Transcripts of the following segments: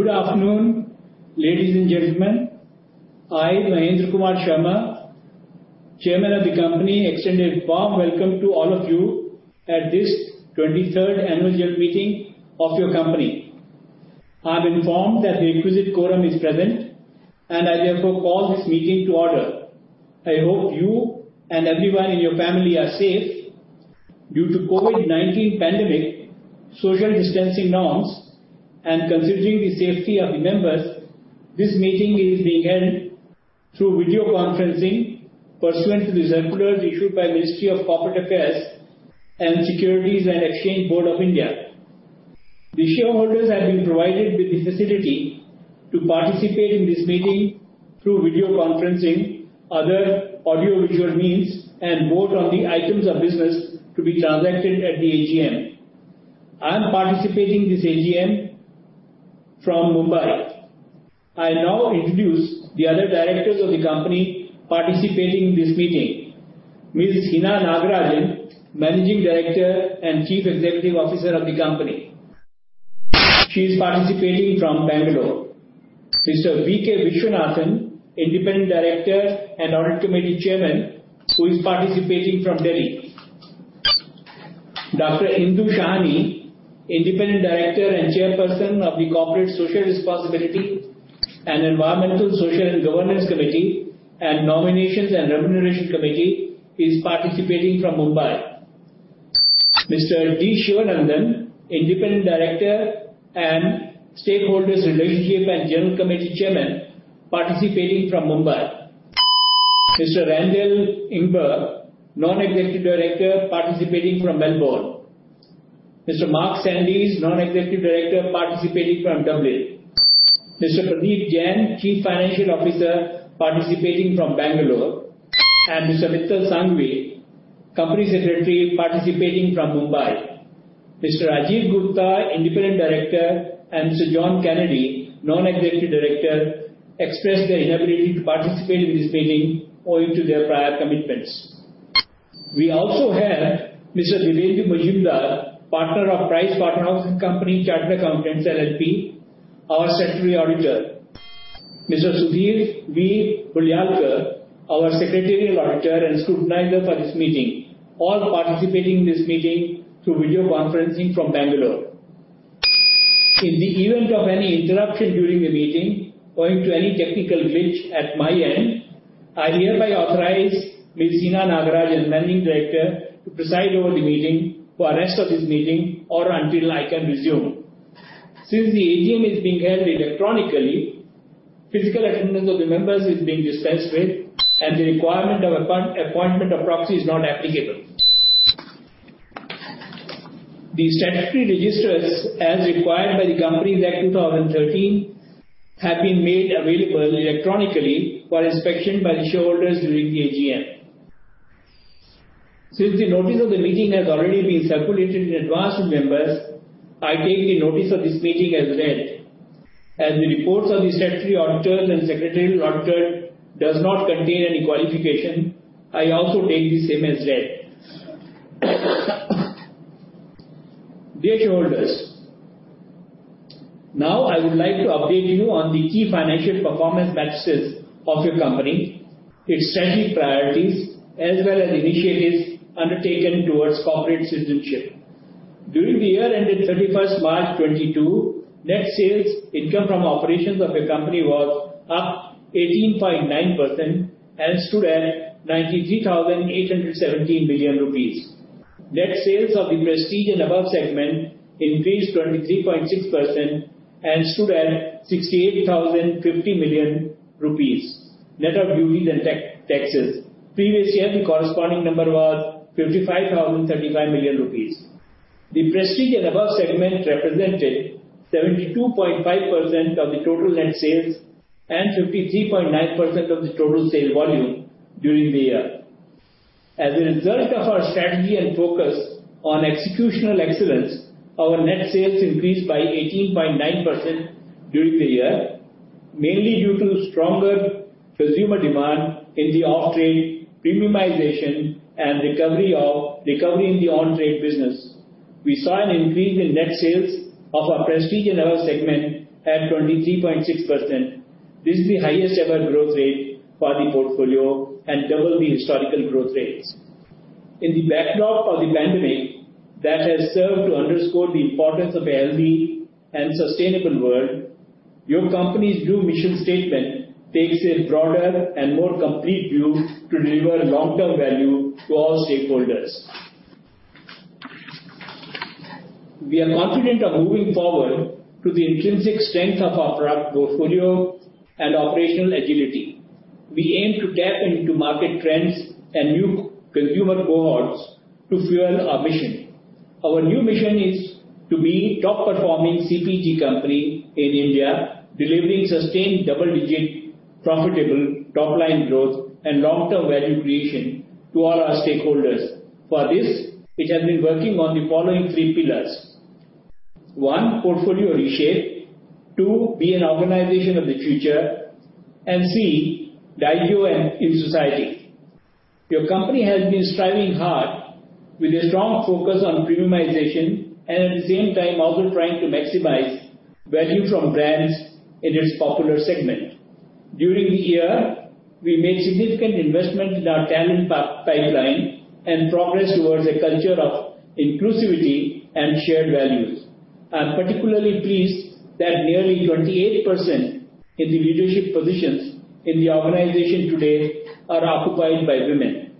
Good afternoon, ladies and gentlemen. I, Mahendra Kumar Sharma, Chairman of the company, extend a warm welcome to all of you at this 23rd Annual General Meeting of your company. I'm informed that the requisite quorum is present, and I therefore call this meeting to order. I hope you and everyone in your family are safe. Due to COVID-19 pandemic, social distancing norms, and considering the safety of the members, this meeting is being held through video conferencing pursuant to the circular issued by Ministry of Corporate Affairs and Securities and Exchange Board of India. The shareholders have been provided with the facility to participate in this meeting through video conferencing, other audio visual means, and vote on the items of business to be transacted at the AGM. I am participating in this AGM from Mumbai. I now introduce the other directors of the company participating in this meeting. Ms. Hina Nagarajan, Managing Director and Chief Executive Officer of the company. She is participating from Bangalore. Mr. V.K. Viswanathan, Independent Director and Audit Committee Chairman, who is participating from Delhi. Dr. Indu Shahani, Independent Director and Chairperson of the Corporate Social Responsibility and Environmental, Social and Governance Committee and Nominations and Remuneration Committee, is participating from Mumbai. Mr. D. Sivanandhan, Independent Director and Stakeholders Relationship and General Committee Chairman, participating from Mumbai. Mr. Randall Ingber, Non-Executive Director, participating from Melbourne. Mr. Mark Sandys, Non-Executive Director, participating from Dublin. Mr. Pradeep Jain, Chief Financial Officer, participating from Bangalore. Mr. Mital Sanghvi, Company Secretary, participating from Mumbai. Mr. Rajeev Gupta, Independent Director, and Mr. John Kennedy, Non-Executive Director, expressed their inability to participate in this meeting owing to their prior commitments. We also have Mr. Dibyendu Majumder, Partner of PricewaterhouseCoopers, Chartered Accountants, LLP, our Statutory Auditor. Mr. Sudhir V. Hulyalkar, our Secretarial Auditor and Scrutinizer for this meeting, all participating in this meeting through video conferencing from Bangalore. In the event of any interruption during the meeting, owing to any technical glitch at my end, I hereby authorize Ms. Hina Nagarajan, Managing Director, to preside over the meeting for the rest of this meeting or until I can resume. Since the AGM is being held electronically, physical attendance of the members is being dispensed with, and the requirement of appointment of proxy is not applicable. The statutory registers, as required by the Companies Act, 2013, have been made available electronically for inspection by the shareholders during the AGM. Since the notice of the meeting has already been circulated in advance to members, I take the notice of this meeting as read. As the reports of the Statutory Auditor and Secretarial Auditor does not contain any qualification, I also take the same as read. Dear shareholders, now I would like to update you on the key financial performance metrics of your company, its strategic priorities, as well as initiatives undertaken towards corporate citizenship. During the year ended 31st March 2022, net sales income from operations of your company was up 18.9% and stood at 93,817 million rupees. Net sales of the prestige and above segment increased 23.6% and stood at 68,050 million rupees net of duties and taxes. Previous year, the corresponding number was 55,035 million rupees. The prestige and above segment represented 72.5% of the total net sales and 53.9% of the total sale volume during the year. As a result of our strategy and focus on executional excellence, our net sales increased by 18.9% during the year, mainly due to stronger consumer demand in the off-trade premiumization and recovery in the on-trade business. We saw an increase in net sales of our prestige and above segment at 23.6%. This is the highest ever growth rate for the portfolio and double the historical growth rates. In the backdrop of the pandemic that has served to underscore the importance of a healthy and sustainable world, your company's new mission statement takes a broader and more complete view to deliver long-term value to all stakeholders. We are confident of moving forward to the intrinsic strength of our product portfolio and operational agility. We aim to tap into market trends and new consumer cohorts to fuel our mission. Our new mission is to be top performing CPG company in India, delivering sustained double-digit profitable top-line growth and long-term value creation to all our stakeholders. For this, we have been working on the following three pillars. One, portfolio reshape. Two, be an organization of the future. And three, thrive in society. Your company has been striving hard with a strong focus on premiumization and at the same time also trying to maximize value from brands in its popular segment. During the year, we made significant investment in our talent pipeline and progress towards a culture of inclusivity and shared values. I'm particularly pleased that nearly 28% in the leadership positions in the organization today are occupied by women.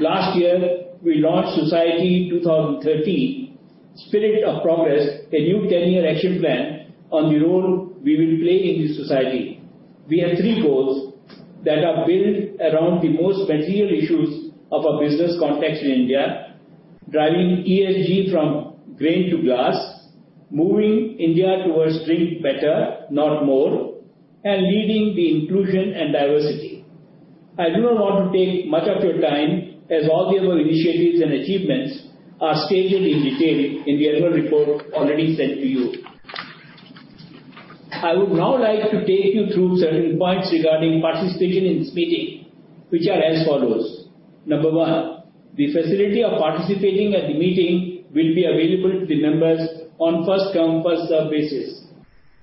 Last year, we launched Society 2030: Spirit of Progress, a new 10-year action plan on the role we will play in the society. We have three goals that are built around the most material issues of our business context in India, driving ESG from grain to glass, moving India towards drink better, not more, and leading the inclusion and diversity. I do not want to take much of your time as all the other initiatives and achievements are stated in detail in the annual report already sent to you. I would now like to take you through certain points regarding participation in this meeting, which are as follows. Number one, the facility of participating at the meeting will be available to the members on first-come, first-served basis.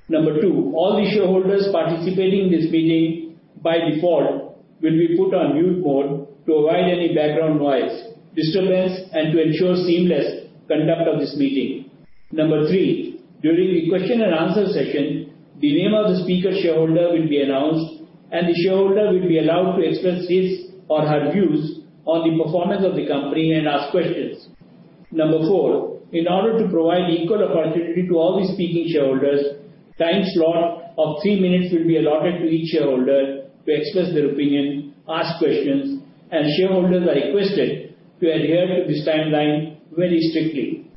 Number two, all the shareholders participating in this meeting by default will be put on mute mode to avoid any background noise, disturbance, and to ensure seamless conduct of this meeting. Number three. During the question and answer session, the name of the speaker shareholder will be announced, and the shareholder will be allowed to express his or her views on the performance of the company and ask questions. Number four. In order to provide equal opportunity to all the speaking shareholders, time slot of three minutes will be allotted to each shareholder to express their opinion, ask questions, and shareholders are requested to adhere to this timeline very strictly.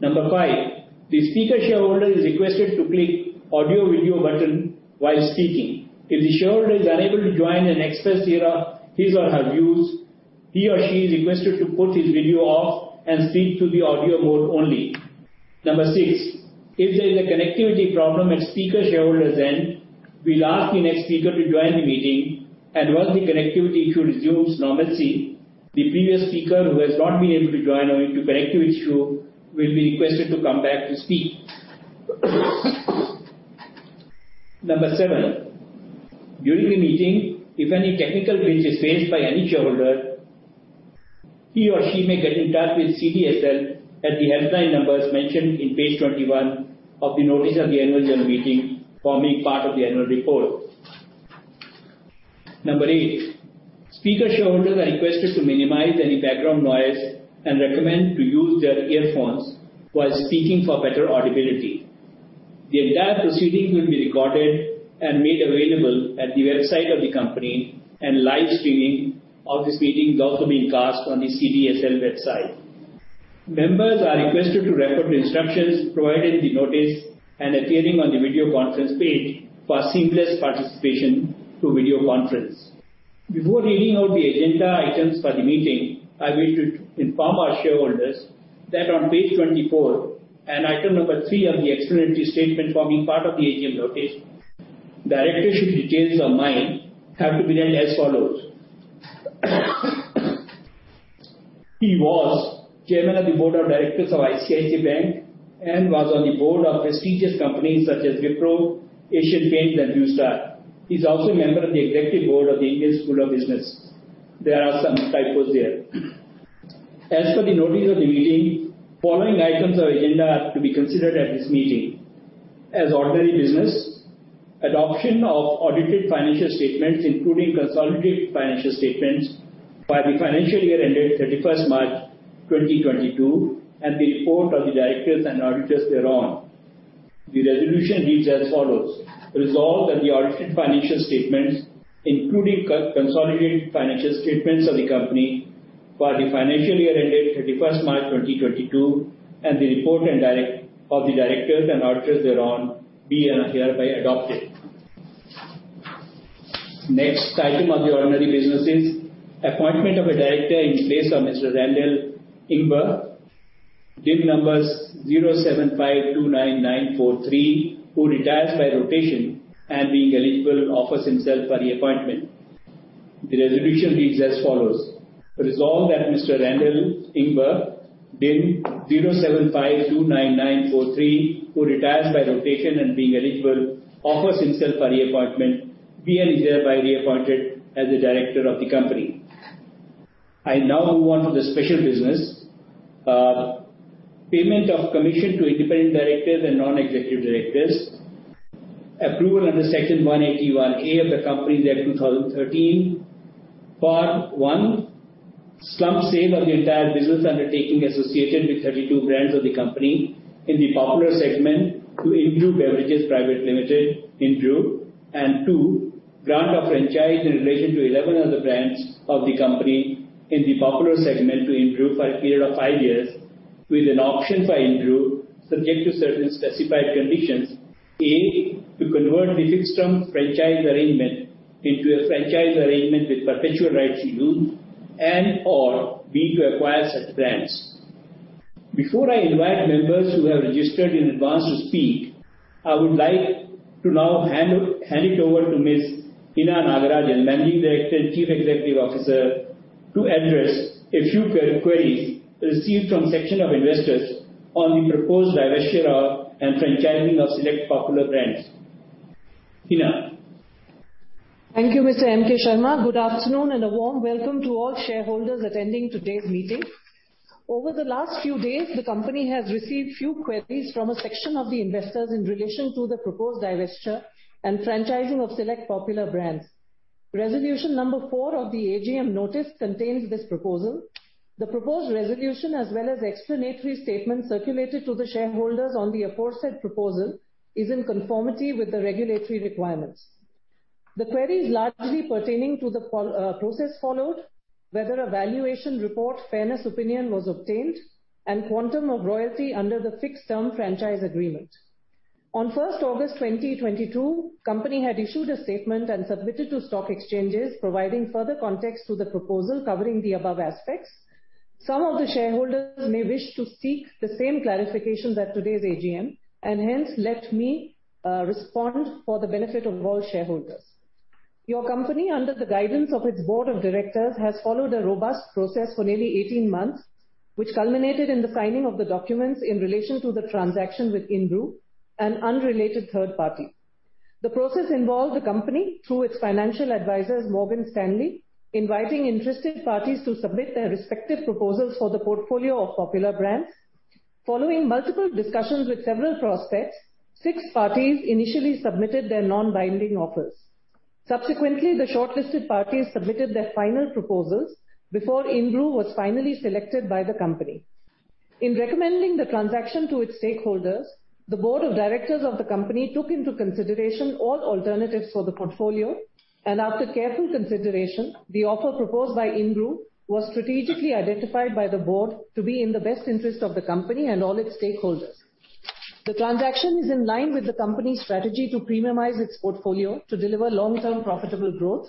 Number five. The speaker shareholder is requested to click audio/video button while speaking. If the shareholder is unable to join and express his or her views, he or she is requested to put his video off and speak through the audio mode only. Number six, if there is a connectivity problem at speaker shareholder's end, we'll ask the next speaker to join the meeting, and once the connectivity issue resumes normalcy, the previous speaker who has not been able to join owing to connectivity issue will be requested to come back to speak. Number seven, during the meeting, if any technical glitch is faced by any shareholder, he or she may get in touch with CDSL at the helpline numbers mentioned in page 21 of the Notice of the Annual General Meeting forming part of the annual report. Number eight, speaker shareholders are requested to minimize any background noise and recommend to use their earphones while speaking for better audibility. The entire proceeding will be recorded and made available at the website of the company, and live streaming of this meeting will also be cast on the CDSL website. Members are requested to refer to instructions provided in the notice and appearing on the video conference page for seamless participation through video conference. Before reading out the agenda items for the meeting, I wish to inform our shareholders that on page 24 and item number three of the explanatory statement forming part of the AGM notice, directorship details of mine have to be read as follows. He was chairman of the Board of Directors of ICICI Bank and was on the Board of prestigious companies such as Wipro, Asian Paints, and Nestlé. He's also a member of the Executive Board of the Indian School of Business. There are some typos there. As per the notice of the meeting, following items of agenda are to be considered at this meeting. As ordinary business, adoption of audited financial statements, including consolidated financial statements for the financial year ended 31st March 2022 and the report of the directors and auditors thereon. The resolution reads as follows. Resolve that the audited financial statements, including consolidated financial statements of the company for the financial year ended 31st March 2022 and the report of the directors and auditors thereon be and are hereby adopted. Next item of the ordinary business is appointment of a director in place of Mr. Randall Ingber, DIN number 07529943, who retires by rotation and being eligible offers himself for reappointment. The resolution reads as follows. Resolve that Mr. Randall Ingber, DIN 07529943, who retires by rotation and being eligible offers himself for reappointment be and is hereby reappointed as a director of the company. I now move on to the special business. Payment of commission to independent directors and non-executive directors. Approval under Section 180(1)(a) of the Companies Act, 2013. Part one, slump sale of the entire business undertaking associated with 32 brands of the company in the popular segment to Inbrew Beverages Private Limited, Inbrew. Two, grant of franchise in relation to 11 other brands of the company in the popular segment to Inbrew for a period of five years with an option for Inbrew, subject to certain specified conditions. A, to convert the fixed term franchise arrangement into a franchise arrangement with perpetual rights renewed, and/or B, to acquire such brands. Before I invite members who have registered in advance to speak, I would like to now hand it over to Ms. Hina Nagarajan, Managing Director and Chief Executive Officer, to address a few queries received from section of investors on the proposed divestiture of, and franchising of select popular brands. Hina? Thank you, Mr. M.K. Sharma. Good afternoon and a warm welcome to all shareholders attending today's meeting. Over the last few days, the company has received few queries from a section of the investors in relation to the proposed divestiture and franchising of select popular brands. Resolution number four of the AGM notice contains this proposal. The proposed resolution, as well as the explanatory statement circulated to the shareholders on the aforesaid proposal, is in conformity with the regulatory requirements. The query is largely pertaining to the process followed, whether a valuation report fairness opinion was obtained, and quantum of royalty under the fixed-term franchise agreement. On 1st August 2022, company had issued a statement and submitted to stock exchanges providing further context to the proposal covering the above aspects. Some of the shareholders may wish to seek the same clarifications at today's AGM and hence let me respond for the benefit of all shareholders. Your company, under the guidance of its Board of Directors, has followed a robust process for nearly 18 months, which culminated in the signing of the documents in relation to the transaction with Inbrew, an unrelated third party. The process involved the company, through its financial advisors, Morgan Stanley, inviting interested parties to submit their respective proposals for the portfolio of popular brands. Following multiple discussions with several prospects, six parties initially submitted their non-binding offers. Subsequently, the shortlisted parties submitted their final proposals before Inbrew was finally selected by the company. In recommending the transaction to its stakeholders, the Board of Directors of the company took into consideration all alternatives for the portfolio. After careful consideration, the offer proposed by Inbrew was strategically identified by the Board to be in the best interest of the company and all its stakeholders. The transaction is in line with the company's strategy to premiumize its portfolio to deliver long-term profitable growth.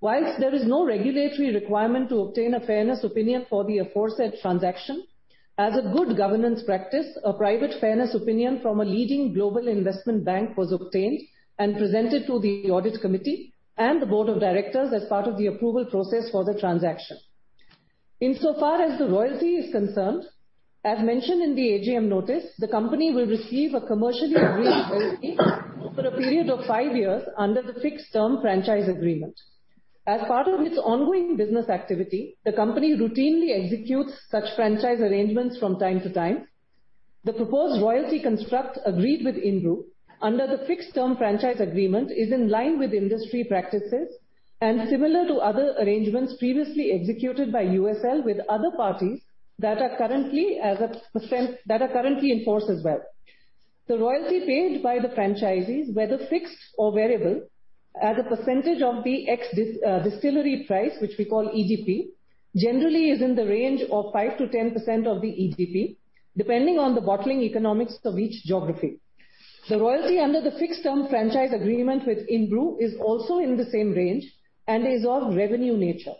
While there is no regulatory requirement to obtain a fairness opinion for the aforesaid transaction, as a good governance practice, a private fairness opinion from a leading global investment bank was obtained and presented to the audit committee and the Board of Directors as part of the approval process for the transaction. Insofar as the royalty is concerned, as mentioned in the AGM notice, the company will receive a commercially agreed royalty for a period of five years under the fixed-term franchise agreement. As part of its ongoing business activity, the company routinely executes such franchise arrangements from time to time. The proposed royalty construct agreed with Inbrew under the fixed-term franchise agreement is in line with industry practices and similar to other arrangements previously executed by USL with other parties that are currently in force as well. The royalty paid by the franchisees, whether fixed or variable, as a percentage of the ex-distillery price, which we call EDP, generally is in the range of 5%-10% of the EDP, depending on the bottling economics of each geography. The royalty under the fixed-term franchise agreement with Inbrew is also in the same range and is of revenue nature.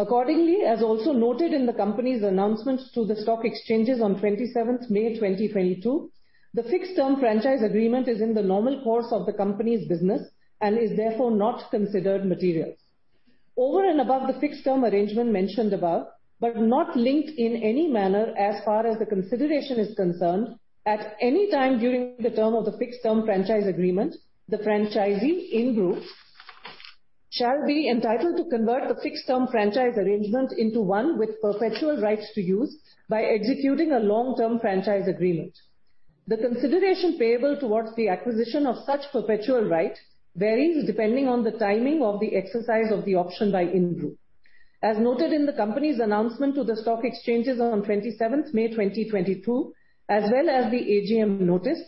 Accordingly, as also noted in the company's announcements to the stock exchanges on 27th May 2022, the fixed-term franchise agreement is in the normal course of the company's business and is therefore not considered material. Over and above the fixed-term arrangement mentioned above, but not linked in any manner as far as the consideration is concerned, at any time during the term of the fixed-term franchise agreement, the franchisee, Inbrew, shall be entitled to convert the fixed-term franchise arrangement into one with perpetual rights to use by executing a long-term franchise agreement. The consideration payable towards the acquisition of such perpetual rights varies depending on the timing of the exercise of the option by Inbrew. As noted in the company's announcement to the stock exchanges on 27th May 2022, as well as the AGM notice,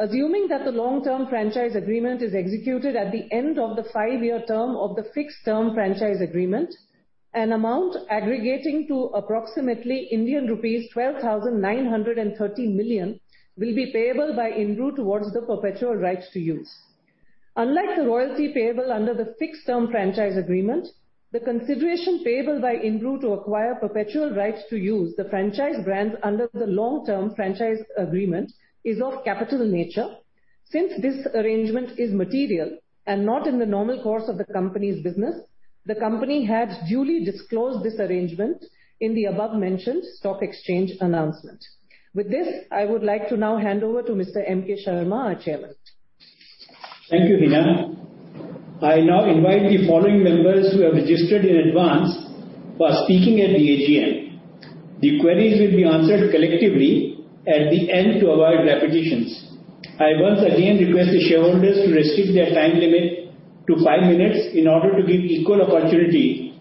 assuming that the long-term franchise agreement is executed at the end of the five-year term of the fixed-term franchise agreement, an amount aggregating to approximately Indian rupees 12,930 million will be payable by Inbrew towards the perpetual rights to use. Unlike the royalty payable under the fixed-term franchise agreement, the consideration payable by Inbrew to acquire perpetual rights to use the franchise brands under the long-term franchise agreement is of capital nature. Since this arrangement is material and not in the normal course of the company's business, the company has duly disclosed this arrangement in the above-mentioned stock exchange announcement. With this, I would like to now hand over to Mr. M.K. Sharma, our Chairman. Thank you, Hina. I now invite the following members who have registered in advance for speaking at the AGM. The queries will be answered collectively at the end to avoid repetitions. I once again request the shareholders to restrict their time limit to five minutes in order to give equal opportunity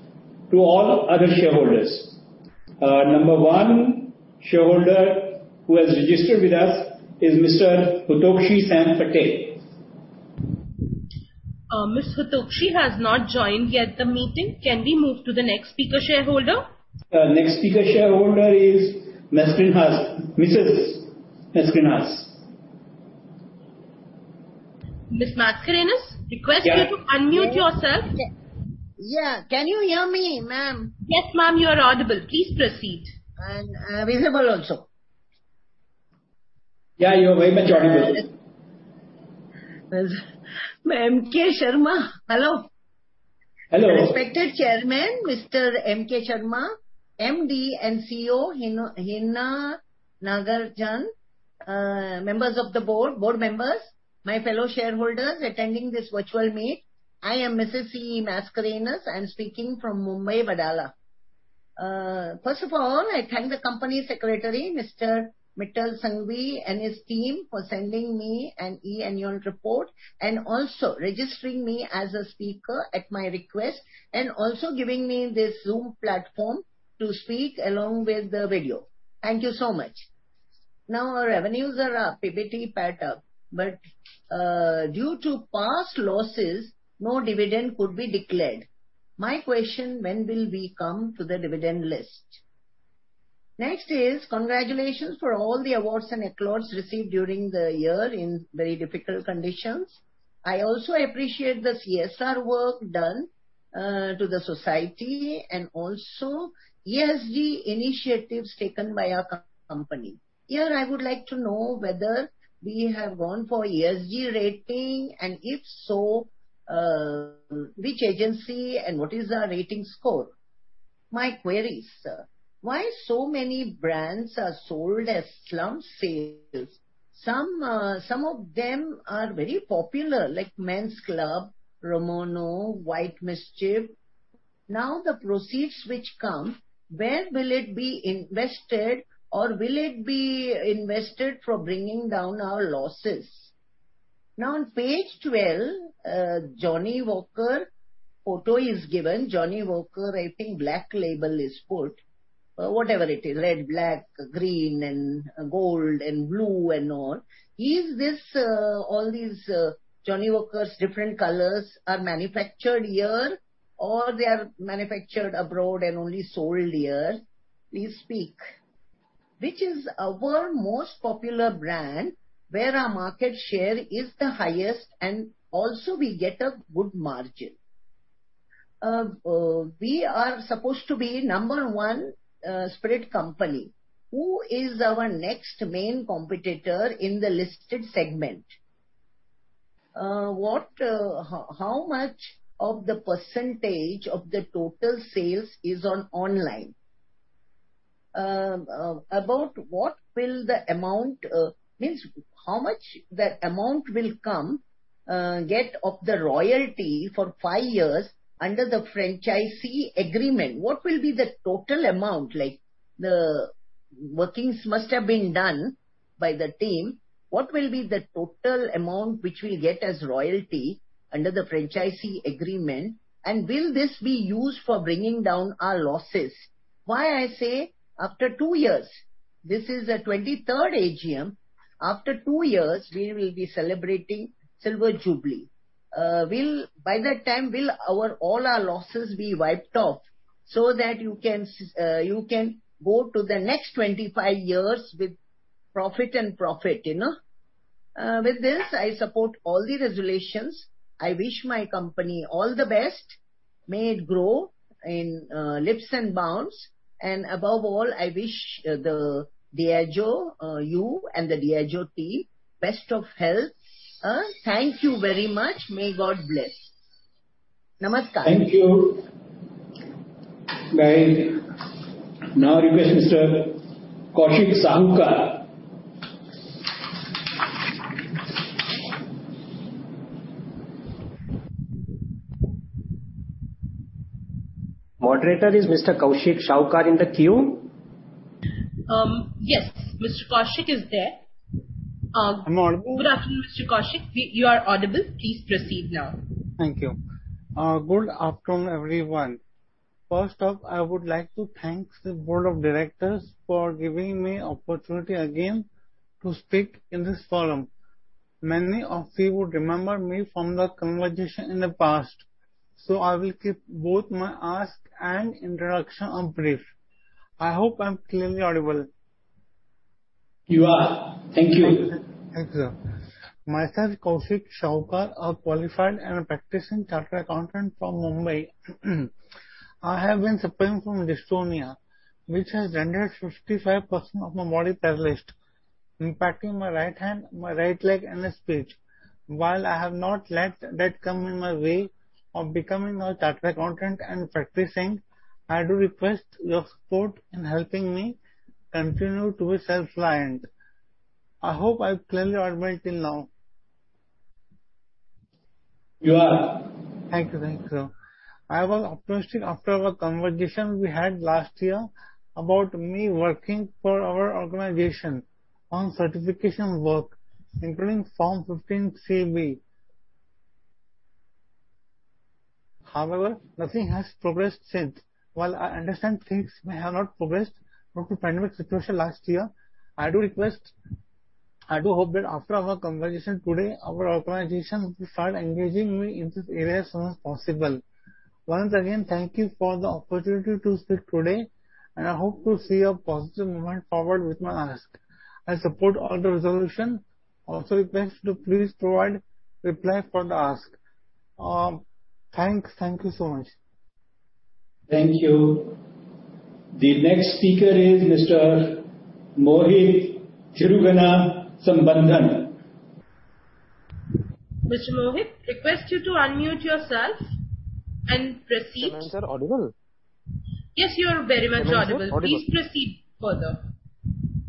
to all other shareholders. Number one shareholder who has registered with us is Mr. Hutokshi Sam Fateh. Mr. Hutoxhi has not joined yet the meeting. Can we move to the next speaker shareholder? Next speaker shareholder is Mascarenhas, Mrs. Mascarenhas. Mrs. C.E. Mascarenhas, request you to unmute yourself. Yeah. Can you hear me, ma'am? Yes, ma'am, you are audible. Please proceed. I'm visible also. Yeah, you are very much audible. M.K. Sharma. Hello. Hello. Respected Chairman, Mr. M.K. Sharma, MD and CEO, Hina Nagarajan, members of the board members, my fellow shareholders attending this virtual meet. I am Mrs. C.E. Mascarenhas. I'm speaking from Mumbai, Wadala. First of all, I thank the Company Secretary, Mr. Mital Sanghvi, and his team for sending me an annual report and also registering me as a speaker at my request, and also giving me this Zoom platform to speak along with the video. Thank you so much. Now, our revenues are up, PBT, PAT up, but due to past losses, no dividend could be declared. My question, when will we come to the dividend list? Next is congratulations for all the awards and accolades received during the year in very difficult conditions. I also appreciate the CSR work done to the society and also ESG initiatives taken by our company. Here, I would like to know whether we have gone for ESG rating, and if so, which agency and what is our rating score? My queries, sir. Why so many brands are sold as slump sales? Some of them are very popular, like Men's Club, Romanov, White Mischief. Now, the proceeds which come, where will it be invested or will it be invested for bringing down our losses? Now, on page 12, Johnnie Walker photo is given. Johnnie Walker, I think black label is put. Whatever it is, red, black, green and gold and blue and all. Is this, all these, Johnnie Walkers, different colors are manufactured here or they are manufactured abroad and only sold here? Please speak. Which is our most popular brand where our market share is the highest and also we get a good margin? We are supposed to be number one spirit company. Who is our next main competitor in the listed segment? How much of the percentage of the total sales is online? What will the amount mean? How much the amount will we get of the royalty for five years under the franchisee agreement? What will be the total amount? Like the workings must have been done by the team. What will be the total amount which we'll get as royalty under the franchisee agreement? Will this be used for bringing down our losses? Why I say after two years, this is the 23rd AGM. After two years we will be celebrating silver jubilee. By that time, will all our losses be wiped off so that you can go to the next 25 years with profit? You know. With this, I support all the resolutions. I wish my company all the best. May it grow in leaps and bounds. Above all, I wish the Diageo, you and the Diageo team best of health. Thank you very much. May God bless. Namaskar. Thank you. Guys, now I request Mr. Kaushik Shahukar. Moderator, is Mr. Kaushik Shahukar in the queue? Yes, Mr. Kaushik is there. I'm audible? Good afternoon, Mr. Kaushik. You are audible. Please proceed now. Thank you. Good afternoon, everyone. First off, I would like to thank the Board of Directors for giving me opportunity again to speak in this forum. Many of you would remember me from the conversation in the past, so I will keep both my ask and introduction on brief. I hope I'm clearly audible. You are. Thank you. Thank you. Myself, Kaushik Shahukar, a qualified and practicing chartered accountant from Mumbai. I have been suffering from dystonia, which has rendered 65% of my body paralyzed, impacting my right hand, my right leg, and speech. While I have not let that come in my way of becoming a chartered accountant and practicing, I do request your support in helping me continue to be self-reliant. I hope I'm clearly audible till now. You are. Thank you. I was optimistic after our conversation we had last year about me working for our organization on certification work, including Form 15CB. However, nothing has progressed since. While I understand things may have not progressed due to pandemic situation last year, I do request, I do hope that after our conversation today, our organization will start engaging me in this area as soon as possible. Once again, thank you for the opportunity to speak today, and I hope to see a positive movement forward with my ask. I support all the resolution. Also request you to please provide reply for the ask. Thanks. Thank you so much. Thank you. The next speaker is Mr. Mohit Thirugnana Sambandam. Mr. Mohit, request you to unmute yourself and proceed. Chairman, sir, audible? Yes, you are very much audible. Please proceed further.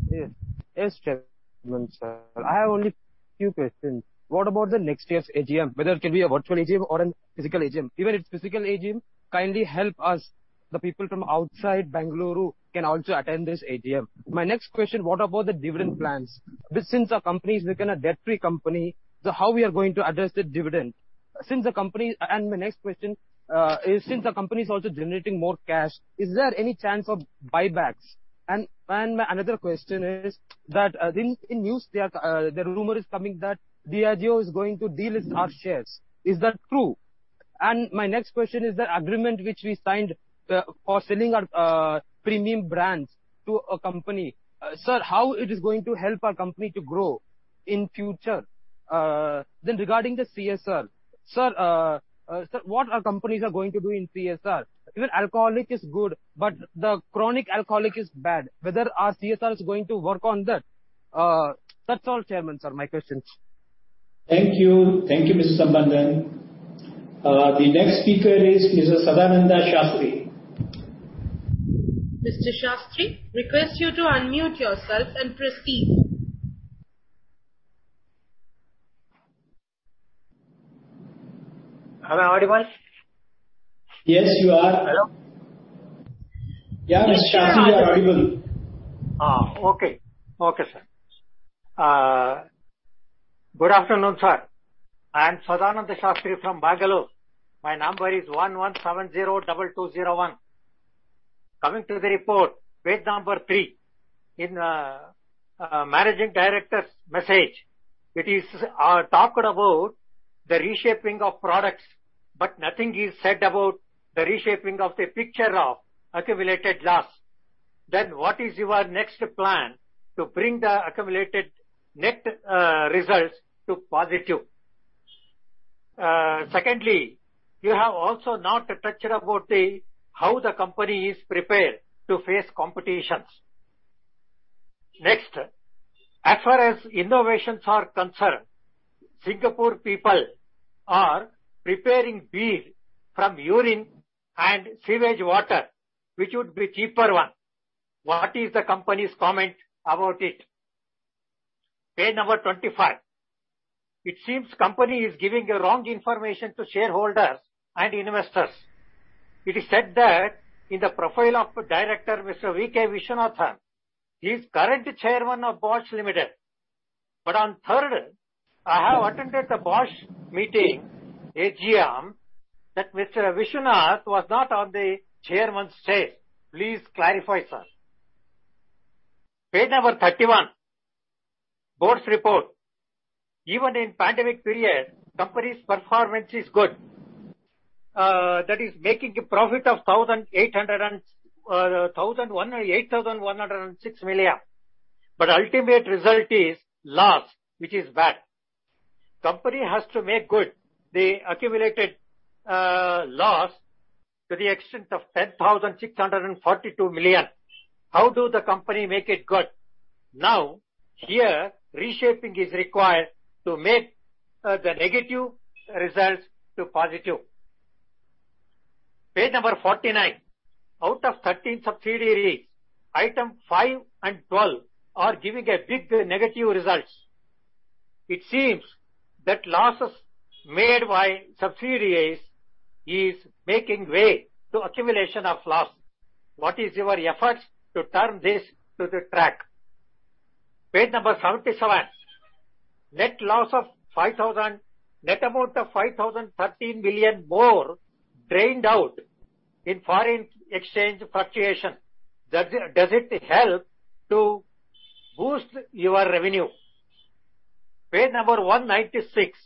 Yes. Yes, Chairman, sir. I have only few questions. What about next year's AGM, whether it can be a virtual AGM or a physical AGM? Even if it's physical AGM, kindly help us, the people from outside Bengaluru can also attend this AGM. My next question, what about the dividend plans? Since our company is like a debt-free company, so how we are going to address the dividend? Since the company is also generating more cash, is there any chance of buybacks? Another question is that in the news there the rumor is coming that Diageo is going to deal with our shares. Is that true? My next question is the agreement which we signed for selling our premium brands to a company. Sir, how it is going to help our company to grow in future? Regarding the CSR. Sir, what our companies are going to do in CSR? Even alcoholic is good, but the chronic alcoholic is bad. Whether our CSR is going to work on that? That's all, Chairman, sir, my questions. Thank you. Thank you, Mr. Sambandan. The next speaker is Mr. Sadananda Shastri. Mr. Sadananda Shastri, request you to unmute yourself and proceed. Am I audible? Yes, you are. Hello. Yeah. Mr. Shastri, you are audible. Good afternoon, sir. I am Sadananda Shastri from Bangalore. My number is 11702201. Coming to the report, page number three. In managing director's message, it is talked about the reshaping of products, but nothing is said about the reshaping of the picture of accumulated loss. What is your next plan to bring the accumulated net results to positive? Secondly, you have also not touched about how the company is prepared to face competitions. Next, as far as innovations are concerned, Singapore people are preparing beer from urine and sewage water, which would be cheaper one. What is the company's comment about it? Page number 25. It seems company is giving a wrong information to shareholders and investors. It is said that in the profile of director, Mr. V.K. Viswanathan, he's the current chairman of Bosch Limited. On third, I have attended the Bosch meeting AGM that Mr. Viswanathan was not on the chairman's chair. Please clarify, sir. Page number 31, Board's report. Even in pandemic period, company's performance is good. That is making a profit of 8,106 million. Ultimate result is loss, which is bad. Company has to make good the accumulated loss to the extent of 10,642 million. How do the company make it good? Now, here reshaping is required to make the negative results to positive. Page number 49. Out of 13 subsidiaries, item five and 12 are giving a big negative results. It seems that losses made by subsidiaries is making way to accumulation of loss. What are your efforts to turn this back on track? Page number 77. Net amount of 5,013 million more drained out in foreign exchange fluctuation. Does it help to boost your revenue? Page number 196,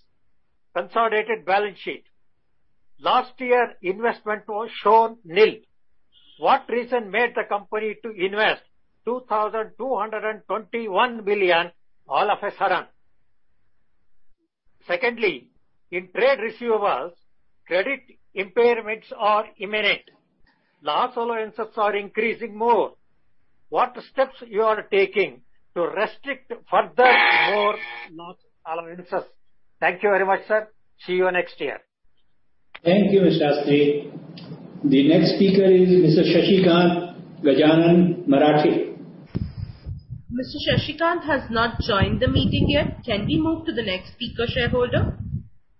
consolidated balance sheet. Last year investment was shown nil. What reason made the company to invest 2,221 million all of a sudden? Secondly, in trade receivables, credit impairments are imminent. Loss allowances are increasing more. What steps are you taking to restrict further more loss allowances? Thank you very much, sir. See you next year. Thank you, Mr. Shastri. The next speaker is Mr. Shashikant Gajanand Marathe. Mr. Shashikant has not joined the meeting yet. Can we move to the next speaker shareholder?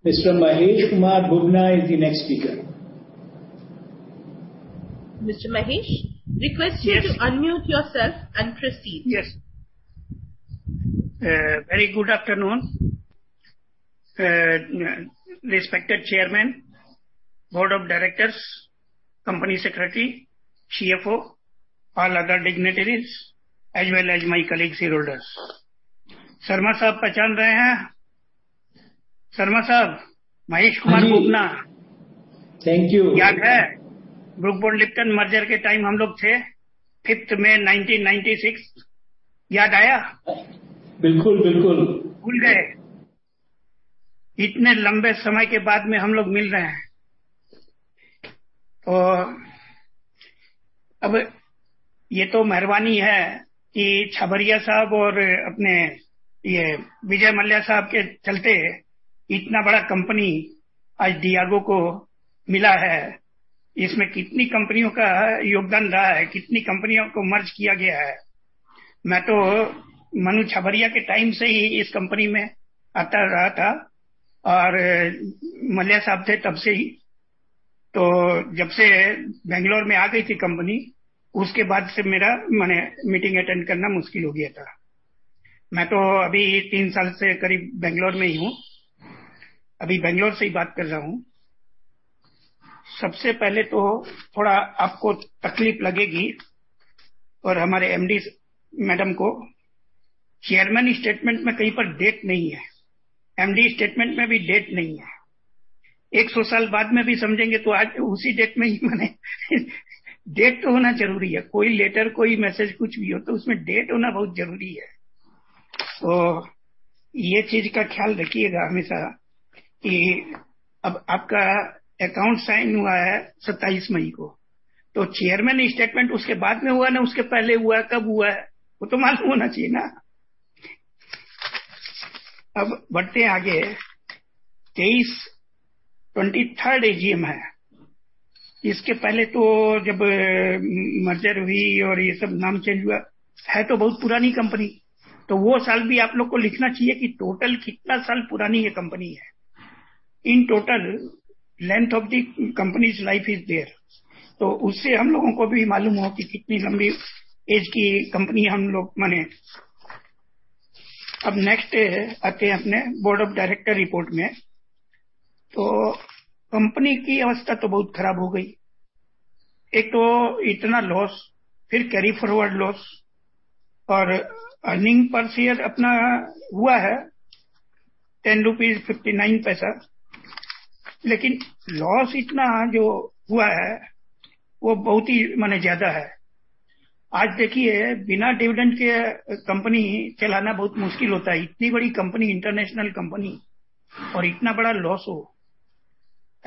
Mr. Mahesh Kumar Bubna is the next speaker. Mr. Mahesh, request you. Yes. To unmute yourself and proceed. Yes. Very good afternoon. Respected Chairman, Board of Directors, Company Secretary, CFO, all other dignitaries, as well as my colleague shareholders. Sharma साहब पहचान रहे हैं। शर्मा साहब Mahesh Kumar Bubna। Thank you. याद है Brooke Bond Lipton merger के time हम लोग थे। 5th May 1996 याद आया। बिल्कुल बिल्कुल। भूल गए। इतने लंबे समय के बाद में हम लोग मिल रहे हैं। तो अब यह तो मेहरबानी है कि छाबरिया साहब और अपने यह विजय मल्ल्या साहब के चलते इतना बड़ा company आज Diageo को मिला है। इसमें कितनी कंपनियों का योगदान रहा है। कितनी कंपनियों को merge किया गया है। मैं तो Manu Chhabria के time से ही इस company में आता रहा था और मल्ल्या साहब से तब से ही तो जब से बेंगलुरु में आ गई थी company उसके बाद से मेरा meeting attend करना मुश्किल हो गया था। मैं तो अभी तीन साल से करीब बेंगलुरु में ही हूं। अभी बेंगलुरु से ही बात कर रहा हूं। सबसे पहले तो थोड़ा आपको तकलीफ लगेगी और हमारे MD madam को chairman statement में कहीं पर date नहीं है. MD statement में भी date नहीं है। 100 साल बाद में भी समझेंगे तो आज उसी date में ही। date तो होना जरूरी है। कोई letter, कोई message कुछ भी हो तो उसमें date होना बहुत जरूरी है। तो यह चीज का ख्याल रखिएगा हमेशा कि अब आपका account sign हुआ है 27 मई को तो chairman statement उसके बाद में हुआ ना। उसके पहले हुआ कब हुआ है वो तो मालूम होना चाहिए ना। अब बढ़ते हैं आगे। 23rd AGM है। इसके पहले तो जब merger हुई और यह सब नाम change हुआ है तो बहुत पुरानी company तो वह साल भी आप लोग को लिखना चाहिए कि total कितना साल पुरानी company है। In total length of the company's life is there तो उससे हम लोगों को भी मालूम हो कि कितनी लंबी age की company हम लोग माने. अब next आते हैं अपने Board of Directors report में तो company की अवस्था तो बहुत खराब हो गई. एक तो इतना loss फिर carry forward loss और earning per share अपना हुआ है ₹10.59 लेकिन loss इतना जो हुआ है वह बहुत ही ज्यादा है। आज देखिए बिना dividend के company चलाना बहुत मुश्किल होता है। इतनी बड़ी company international company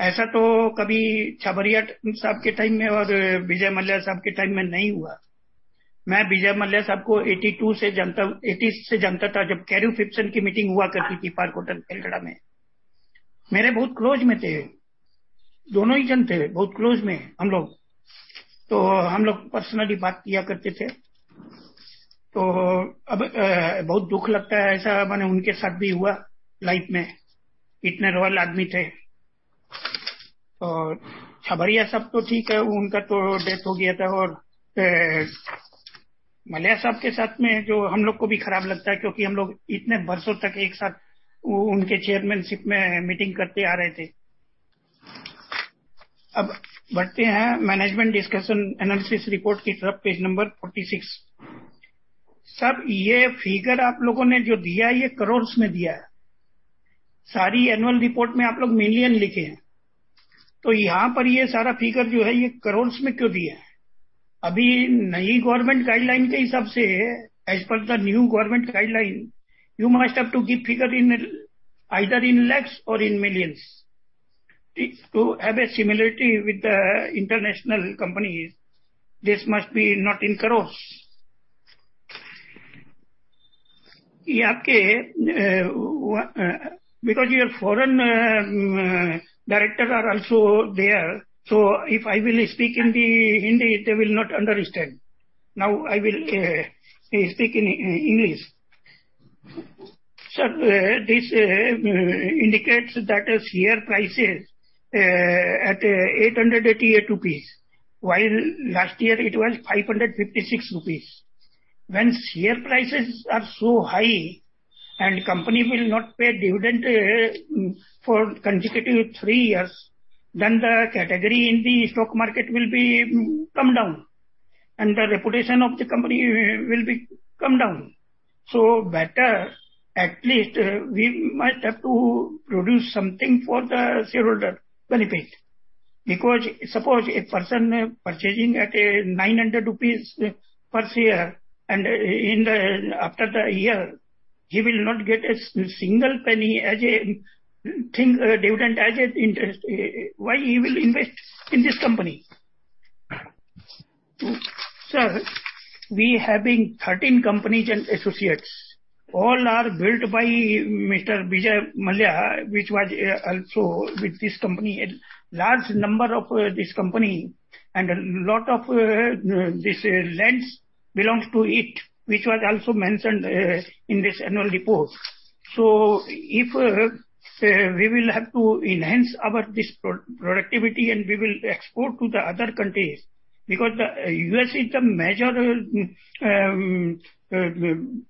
और इतना बड़ा loss हो। ऐसा तो कभी छाबरिया साहब के time में और विजय मल्ल्या साहब के time में नहीं हुआ। मैं विजय मल्ल्या साहब को 82 से जानता हूँ। 80 से जानता था। जब Carew, Phipson की meeting हुआ करती थी Park Hotel, नोएडा में। मेरे बहुत close में थे। दोनों ही जन थे। बहुत close में हम लोग। तो हम लोग personally बात किया करते थे तो अब बहुत दुख लगता है। ऐसा उनके साथ भी हुआ। life में इतने loyal आदमी थे और छाबरिया साहब तो ठीक है। उनका तो death हो गया था और मल्ल्या साहब के साथ में जो हम लोग को भी खराब लगता है क्योंकि हम लोग इतने बरसों तक एक साथ उनके chairmanship में meeting करते आ रहे थे। अब बढ़ते हैं management discussion analysis report की तरफ। Page number 46 सब यह figure आप लोगों ने जो दिया है crores में दिया है। सारी annual report में आप लोग million लिखे हैं तो यहां पर यह सारा figure जो है यह crores में क्यों दिया है? Abhi nayi government guideline ke hisaab se as per the new government guideline you must have to give figure in either in lakhs or in millions to have a similarity with the international companies. This must be not in crores. Yeh aapke because your foreign director are also there so if I will speak in the Hindi they will not understand. Now I will speak in English. Sir this indicates that share prices at 888 rupees while last year it was 556 rupees. When share prices are so high and company will not pay dividend for consecutive three years then the category in the stock market will come down and the reputation of the company will come down. Better at least we must have to produce something for the shareholder benefit. Because suppose a person purchasing at a 900 rupees per share and in the after the year he will not get a single penny as anything dividend as interest. Why will he invest in this company. Sir, we having 13 companies and associates all are built by Mr. Vijay Mallya which was also with this company a large number of this company and a lot of this lands belongs to it which was also mentioned in this annual report. If we will have to enhance our this productivity and we will export to the other countries because the U.S. is the major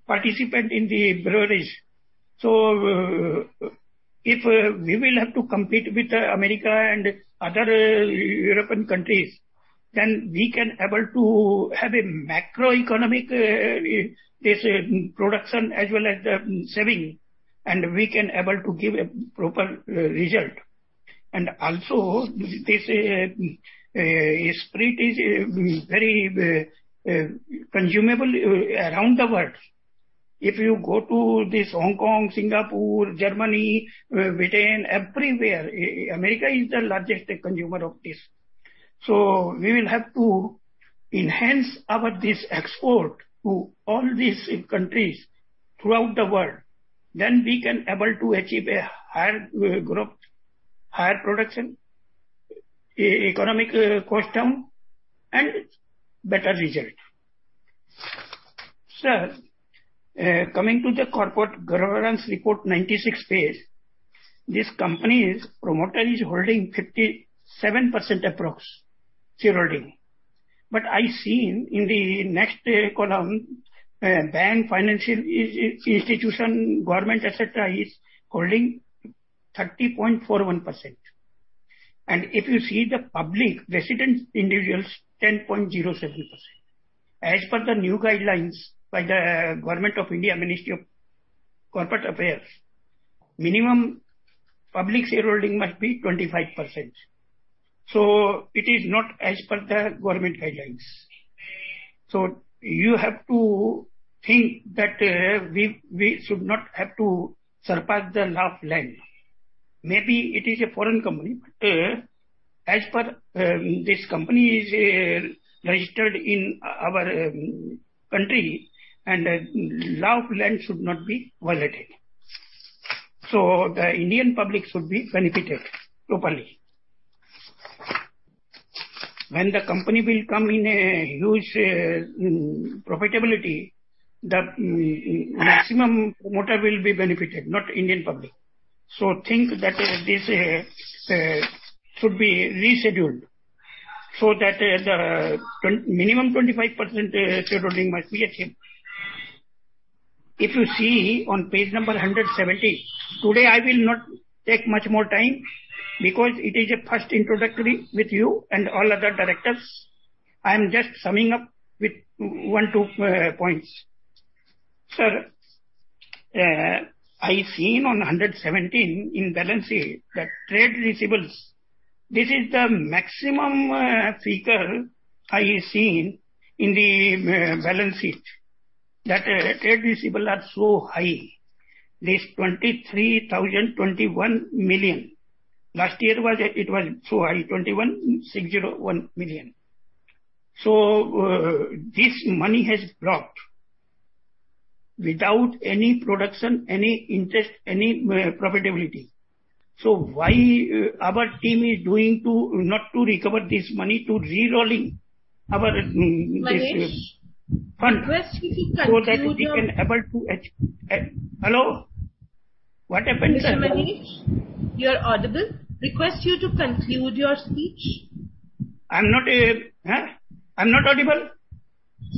participant in the breweries. If we will have to compete with America and other European countries, then we can able to have a macroeconomic this production as well as saving, and we can able to give a proper result. This spirit is very consumable around the world. If you go to Hong Kong, Singapore, Germany, Britain, everywhere. America is the largest consumer of this. We will have to enhance our this export to all these countries throughout the world. Then we can able to achieve a higher growth, higher production, economical cost down and better result. Sir, coming to the corporate governance report, 96 page, this company's promoter is holding 57% approximately shareholding. I seen in the next column, bank financial institution, government, et cetera, is holding 30.41%. If you see the public resident individuals, 10.07%. As per the new guidelines by the government of India, Ministry of Corporate Affairs, minimum public shareholding must be 25%. It is not as per the government guidelines. You have to think that, we should not have to surpass the law of land. Maybe it is a foreign company, but, as per, this company is, registered in our, country and the law of land should not be violated. The Indian public should be benefited properly. When the company will come in a huge profitability, the maximum promoter will be benefited, not Indian public. Think that this should be rescheduled so that the minimum 25% shareholding must be achieved. If you see on page number 170. Today, I will not take much more time because it is a first introductory with you and all other directors. I'm just summing up with one, two points. Sir, I seen on 117 in balance sheet that trade receivables. This is the maximum figure I seen in the balance sheet, that trade receivable are so high, this 23,021 million. Last year was, it was so high, 21,601 million. This money has blocked without any production, any interest, any profitability. Why our team is doing to not recover this money to re-rolling our this. Mahesh. Fund. Request you to conclude your. Hello? What happened, sir? Mr. Mahesh, you are audible. Request you to conclude your speech. I'm not, huh? I'm not audible?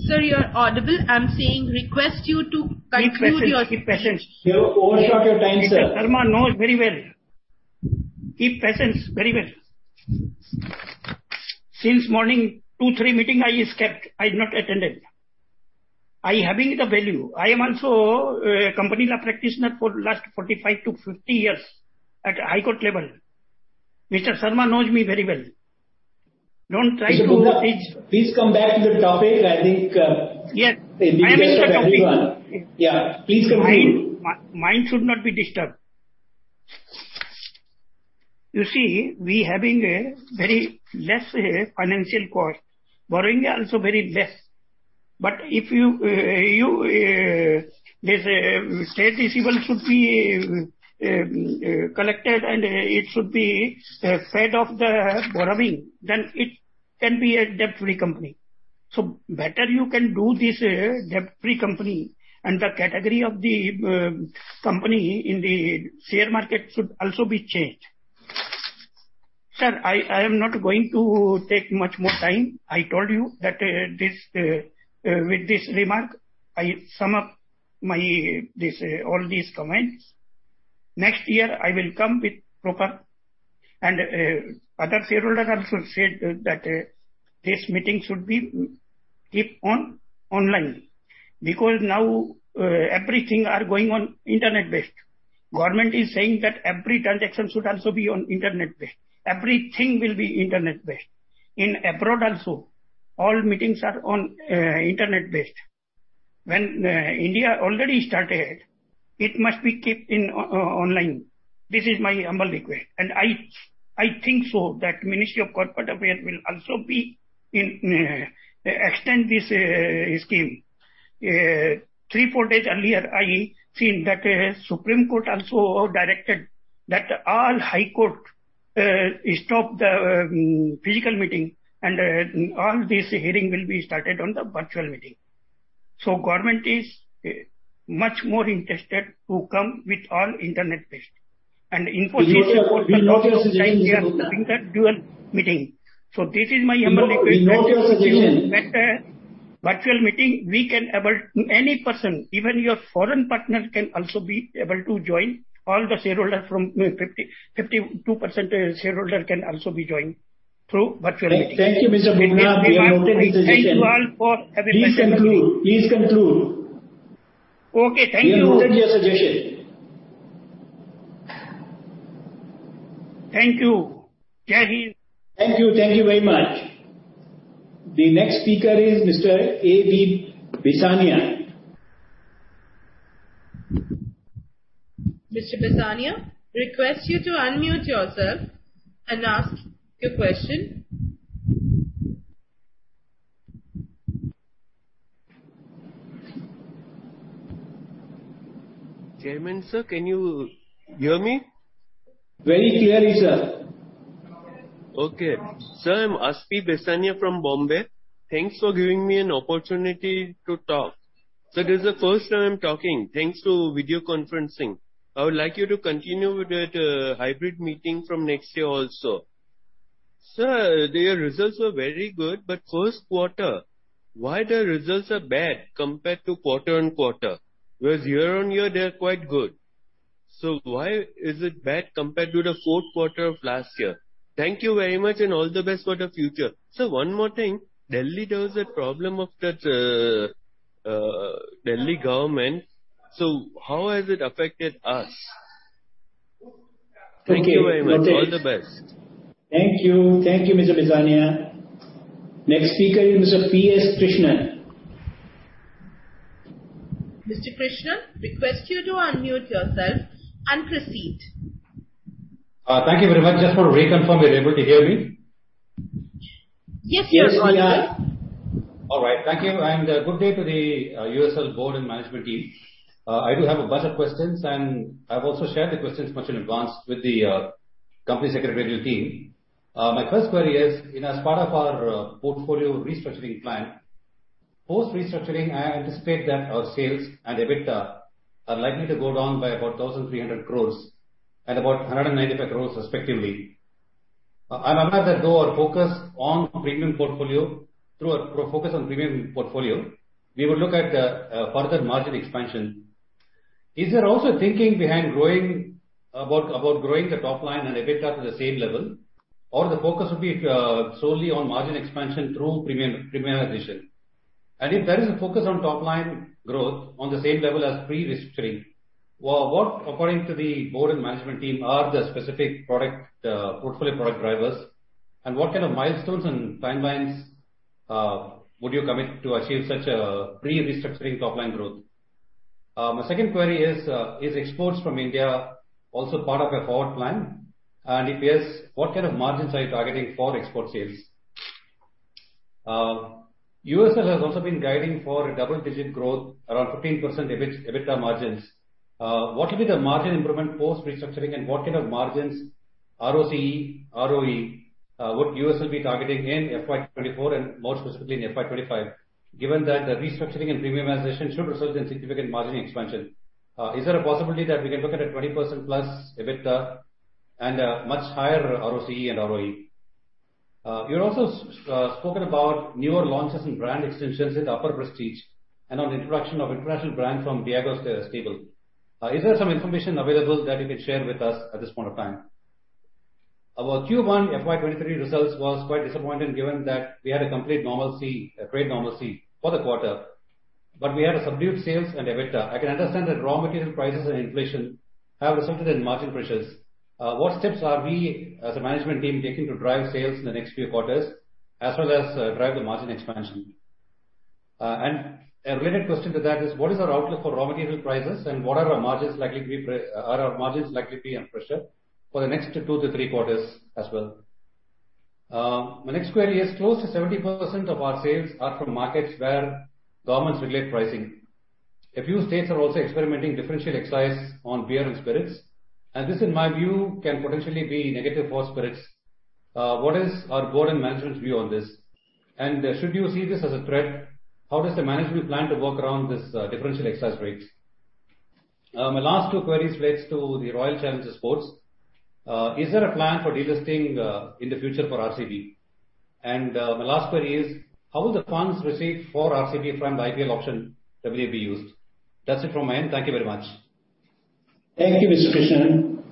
Sir, you are audible. I request you to conclude your speech. Keep patience. You overshot your time, sir. Mr. Sharma knows very well. Keep patience very well. Since morning, two, three meeting I skipped, I've not attended. I having the value. I am also a company law practitioner for last 45-50 years at high court level. Mr. Sharma knows me very well. Don't try to teach. Mr. Bubna, please come back to the topic. I think. Yes. This is for everyone. I am in the topic. Yeah. Please conclude. My mind should not be disturbed. You see, we having a very less financial cost. Borrowing also very less. If you this trade receivable should be collected and it should be paid off the borrowing, then it can be a debt-free company. Better you can do this debt-free company and the category of the company in the share market should also be changed. Sir, I am not going to take much more time. I told you that this with this remark, I sum up my this all these comments. Next year I will come with proper and other shareholders also said that this meeting should be keep on online. Because now everything are going on internet-based. Government is saying that every transaction should also be on internet-based. Everything will be internet-based. In abroad also, all meetings are on internet-based. When India already started, it must be kept in online. This is my humble request. I think that Ministry of Corporate Affairs will also be interested to extend this scheme. Three or four days earlier, I seen that Supreme Court also directed that all high court stop the physical meeting and all this hearing will be started on the virtual meeting. Government is much more interested to come with all internet-based. Infosys report the We note your suggestion, Mr. Dual meeting. This is my humble request. We note your suggestion. At the virtual meeting, we can enable any person, even your foreign partner can also be able to join. All the shareholder from 52% shareholder can also join through virtual meeting. Thank you, Mr. Bubna. We have noted the suggestion. Thank you all for having. Please conclude. Okay, thank you. We have noted your suggestion. Thank you. Jai Hind. Thank you. Thank you very much. The next speaker is Mr. A.B. Bhesania. Mr. Bisania, request you to unmute yourself and ask your question. Chairman, sir, can you hear me? Very clearly, sir. Okay. Sir, I'm Aspi Bhesania from Bombay. Thanks for giving me an opportunity to talk. Sir, this is the first time I'm talking. Thanks to video conferencing. I would like you to continue with that hybrid meeting from next year also. Sir, your results were very good, but first quarter, why the results are bad compared to quarter-on-quarter? Whereas year-on-year they are quite good. So why is it bad compared to the fourth quarter of last year? Thank you very much and all the best for the future. Sir, one more thing. Delhi there was a problem of that Delhi government. So how has it affected us? Thank you very much. All the best. Thank you. Thank you, Mr. Bhesania. Next speaker is Mr. P.S. Krishnan. Mr. P.S. Krishnan, request you to unmute yourself and proceed. Thank you very much. Just want to reconfirm you're able to hear me. Yes. Yes, we are. All right. Thank you and good day to the USL Board and management team. I do have a bunch of questions, and I've also shared the questions much in advance with the company secretarial team. My first query is, you know, as part of our portfolio restructuring plan, post-restructuring, I anticipate that our sales and EBITDA are likely to go down by about 1,300 crores and about 195 crores respectively. I know that through our focus on premium portfolio, we would look at further margin expansion. Is there also thinking behind growing the top line and EBITDA to the same level? Or the focus will be solely on margin expansion through premiumization. If there is a focus on top line growth on the same level as pre-restructuring, what according to the board and management team are the specific product portfolio product drivers? What kind of milestones and timelines would you commit to achieve such a pre-restructuring top-line growth? My second query is exports from India also part of your forward plan? If yes, what kind of margins are you targeting for export sales? USL has also been guiding for a double-digit growth around 15% EBITDA margins. What will be the margin improvement post-restructuring and what kind of margins ROCE, ROE would USL be targeting in FY 2024 and more specifically in FY 2025, given that the restructuring and premiumization should result in significant margin expansion. Is there a possibility that we can look at a 20%+ EBITDA and a much higher ROCE and ROE? You're also spoken about newer launches and brand extensions in the upper prestige and on the introduction of international brand from Diageo's stable. Is there some information available that you can share with us at this point of time? Our Q1 FY 2023 results was quite disappointing given that we had a complete normalcy, a great normalcy for the quarter, but we had a subdued sales and EBITDA. I can understand that raw material prices and inflation have resulted in margin pressures. What steps are we as a management team taking to drive sales in the next few quarters as well as drive the margin expansion? A related question to that is what is our outlook for raw material prices and what are our margins likely to be are our margins likely to be under pressure for the next 2-3 quarters as well? My next query is close to 70% of our sales are from markets where governments regulate pricing. A few states are also experimenting differential excise on beer and spirits, and this in my view, can potentially be negative for spirits. What is our board and management's view on this? Should you see this as a threat, how does the management plan to work around this, differential excise rates? My last two queries relates to the Royal Challengers Sports. Is there a plan for delisting, in the future for RCB? My last query is how will the funds received for RCB from the IPL auction be used? That's it from my end. Thank you very much. Thank you, Mr. Krishnan.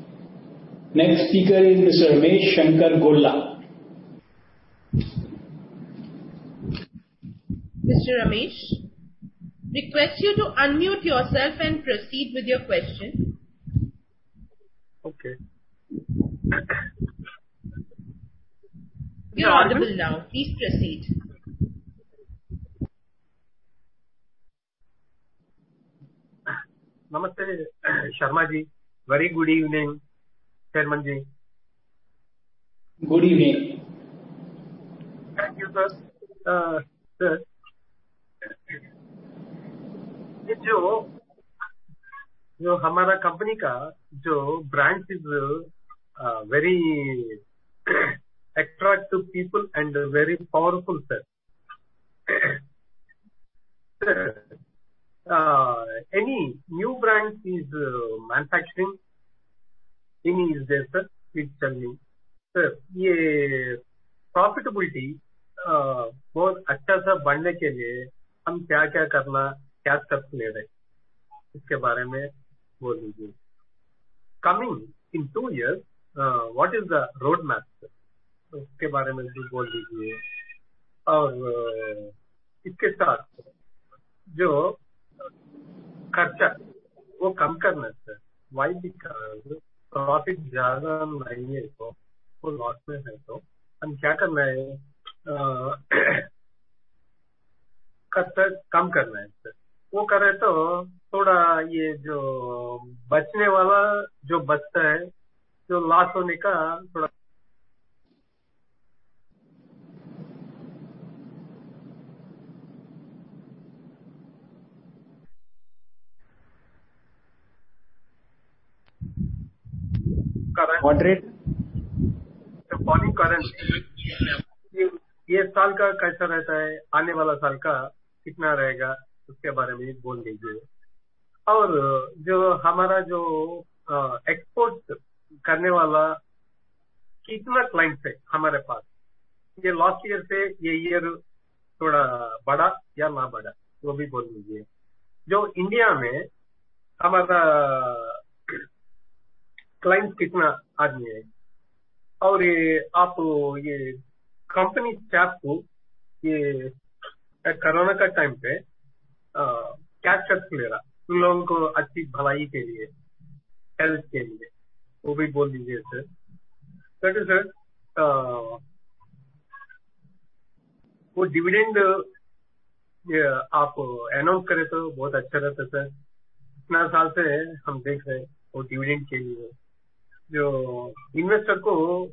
Next speaker is Mr. Ramesh Shankar Gola. Mr. Ramesh, request you to unmute yourself and proceed with your question. Okay. You're audible now. Please proceed. Namaste, Sharmaji. Very good evening, Chairmanji. Good evening. Thank you, sir. Sir, jo hamara company ka jo brands is, very attract to people and very powerful, sir. Any new brands is manufacturing in these days, sir? Please tell me. Sir, ye profitability बहुत अच्छा से बढ़ने के लिए हम क्या-क्या करना, क्या steps ले रहे हैं। इसके बारे में बोल दीजिए। Coming in two years, what is the roadmap sir? उसके बारे में भी बोल दीजिए। और इसके साथ जो खर्चा वो कम करना है sir. Why because profit ज्यादा नहीं है तो full loss में है तो हमें क्या करना है? खर्चा कम करना है sir। वो करें तो थोड़ा ये जो बचने वाला जो बचता है, जो loss होने का थोड़ा, current. Current year ये साल का कैसा रहता है, आने वाला साल का कितना रहेगा उसके बारे में बोल दीजिए। और जो हमारा जो export करने वाला कितना clients है हमारे पास। Last year से ये year थोड़ा बड़ा या ना बड़ा वो भी बोल दीजिए। जो India में हमारा clients कितना आदमी है। और आप ये company क्या कुछ ये corona का time पे, क्या steps ले रहा लोगों को अच्छी भलाई के लिए, health के लिए। वो भी बोल दीजिए sir. Second sir, वो dividend आप announce करें तो बहुत अच्छा रहता sir। इतना साल से हम देख रहे हैं वो dividend के लिए। जो investor को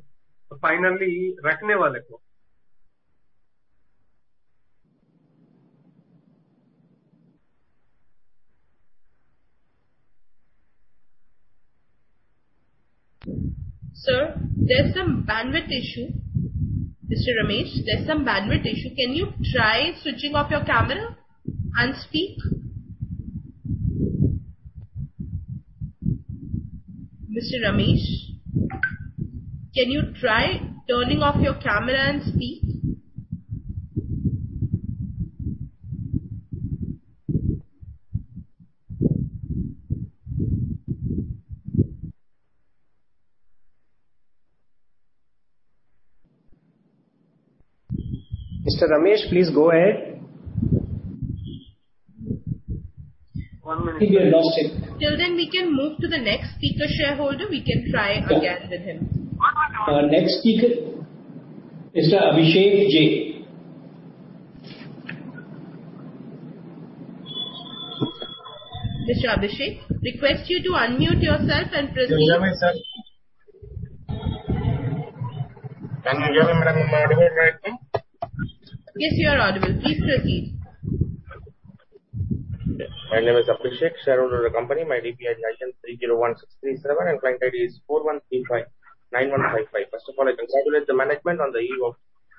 finally रखने वाले को. Sir, there is some bandwidth issue. Mr. Ramesh, there is some bandwidth issue. Can you try switching off your camera and speak? Mr. Ramesh, can you try turning off your camera and speak? Mr. Ramesh, please go ahead. One minute please. I think we have lost him. Till then we can move to the next speaker shareholder. We can try again with him. Next speaker, Mr. Abhishek J. Mr. Abhishek, request you to unmute yourself and proceed. Can you hear me, sir? Can you hear me, madam? Am I audible right now? Yes, you are audible. Please proceed. My name is Abhishek, shareholder of the company. My DP ID is 9301637 and client ID is 41359155. First of all, I congratulate the management on the eve of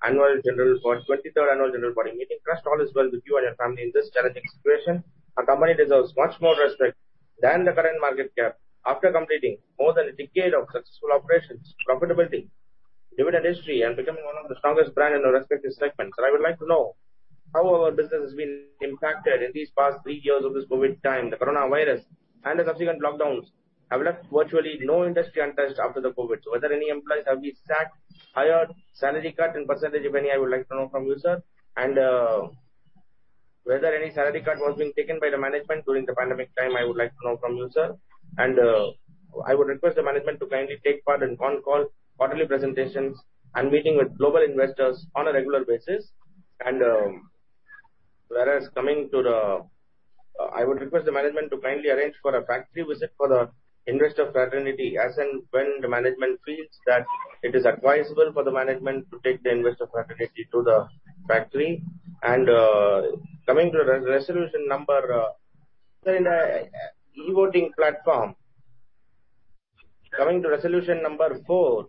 Annual General Body, 23rd Annual General Body Meeting. Trust all is well with you and your family in this challenging situation. Our company deserves much more respect than the current market cap. After completing more than a decade of successful operations, profitability, dividend history and becoming one of the strongest brand in our respective segments. I would like to know how our business has been impacted in these past three years of this COVID time. The coronavirus and the subsequent lockdowns have left virtually no industry untouched after the COVID. Whether any employees have been sacked, hired, salary cut in percentage, if any, I would like to know from you, sir. Whether any salary cut was being taken by the management during the pandemic time, I would like to know from you, sir. I would request the management to kindly take part in conference call quarterly presentations and meeting with global investors on a regular basis. I would request the management to kindly arrange for a factory visit for the investor fraternity as and when the management feels that it is advisable for the management to take the investor fraternity to the factory. Coming to resolution number, sir in a e-voting platform. Coming to resolution number four,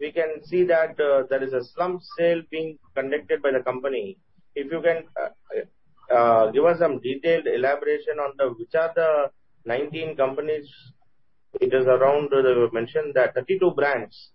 we can see that there is a slump sale being conducted by the company. If you can give us some detailed elaboration on which are the 19 companies. It is around mentioned that 32 brands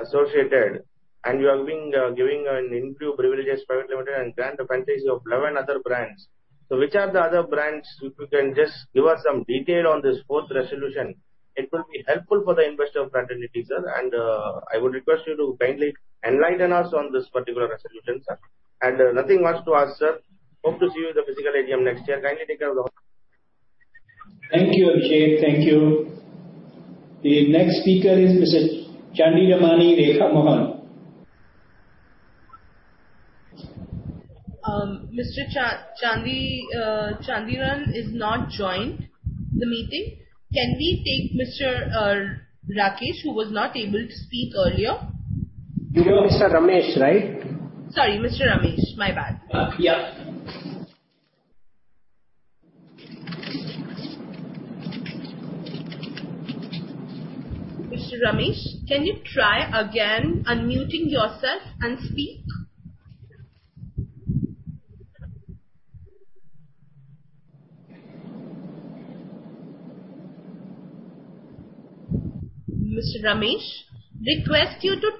associated and you are giving Inbrew Beverages Private Limited and grant the franchise of 11 other brands. Which are the other brands? If you can just give us some detail on this fourth resolution, it will be helpful for the investor fraternity, sir. I would request you to kindly enlighten us on this particular resolution, sir. Nothing much to ask, sir. Hope to see you in the physical AGM next year. Kindly take care of the health. Thank you, Abhishek. Thank you. The next speaker is Mrs. Chandiramani Rekha Mohan. Mrs. Chandiramani is not joined the meeting. Can we take Mr. Rakesh who was not able to speak earlier? Mr. Ramesh, right? Sorry, Mr. Ramesh. My bad. Yeah. Mr. Ramesh, can you try again unmuting yourself and speak? Mr. Ramesh, request you to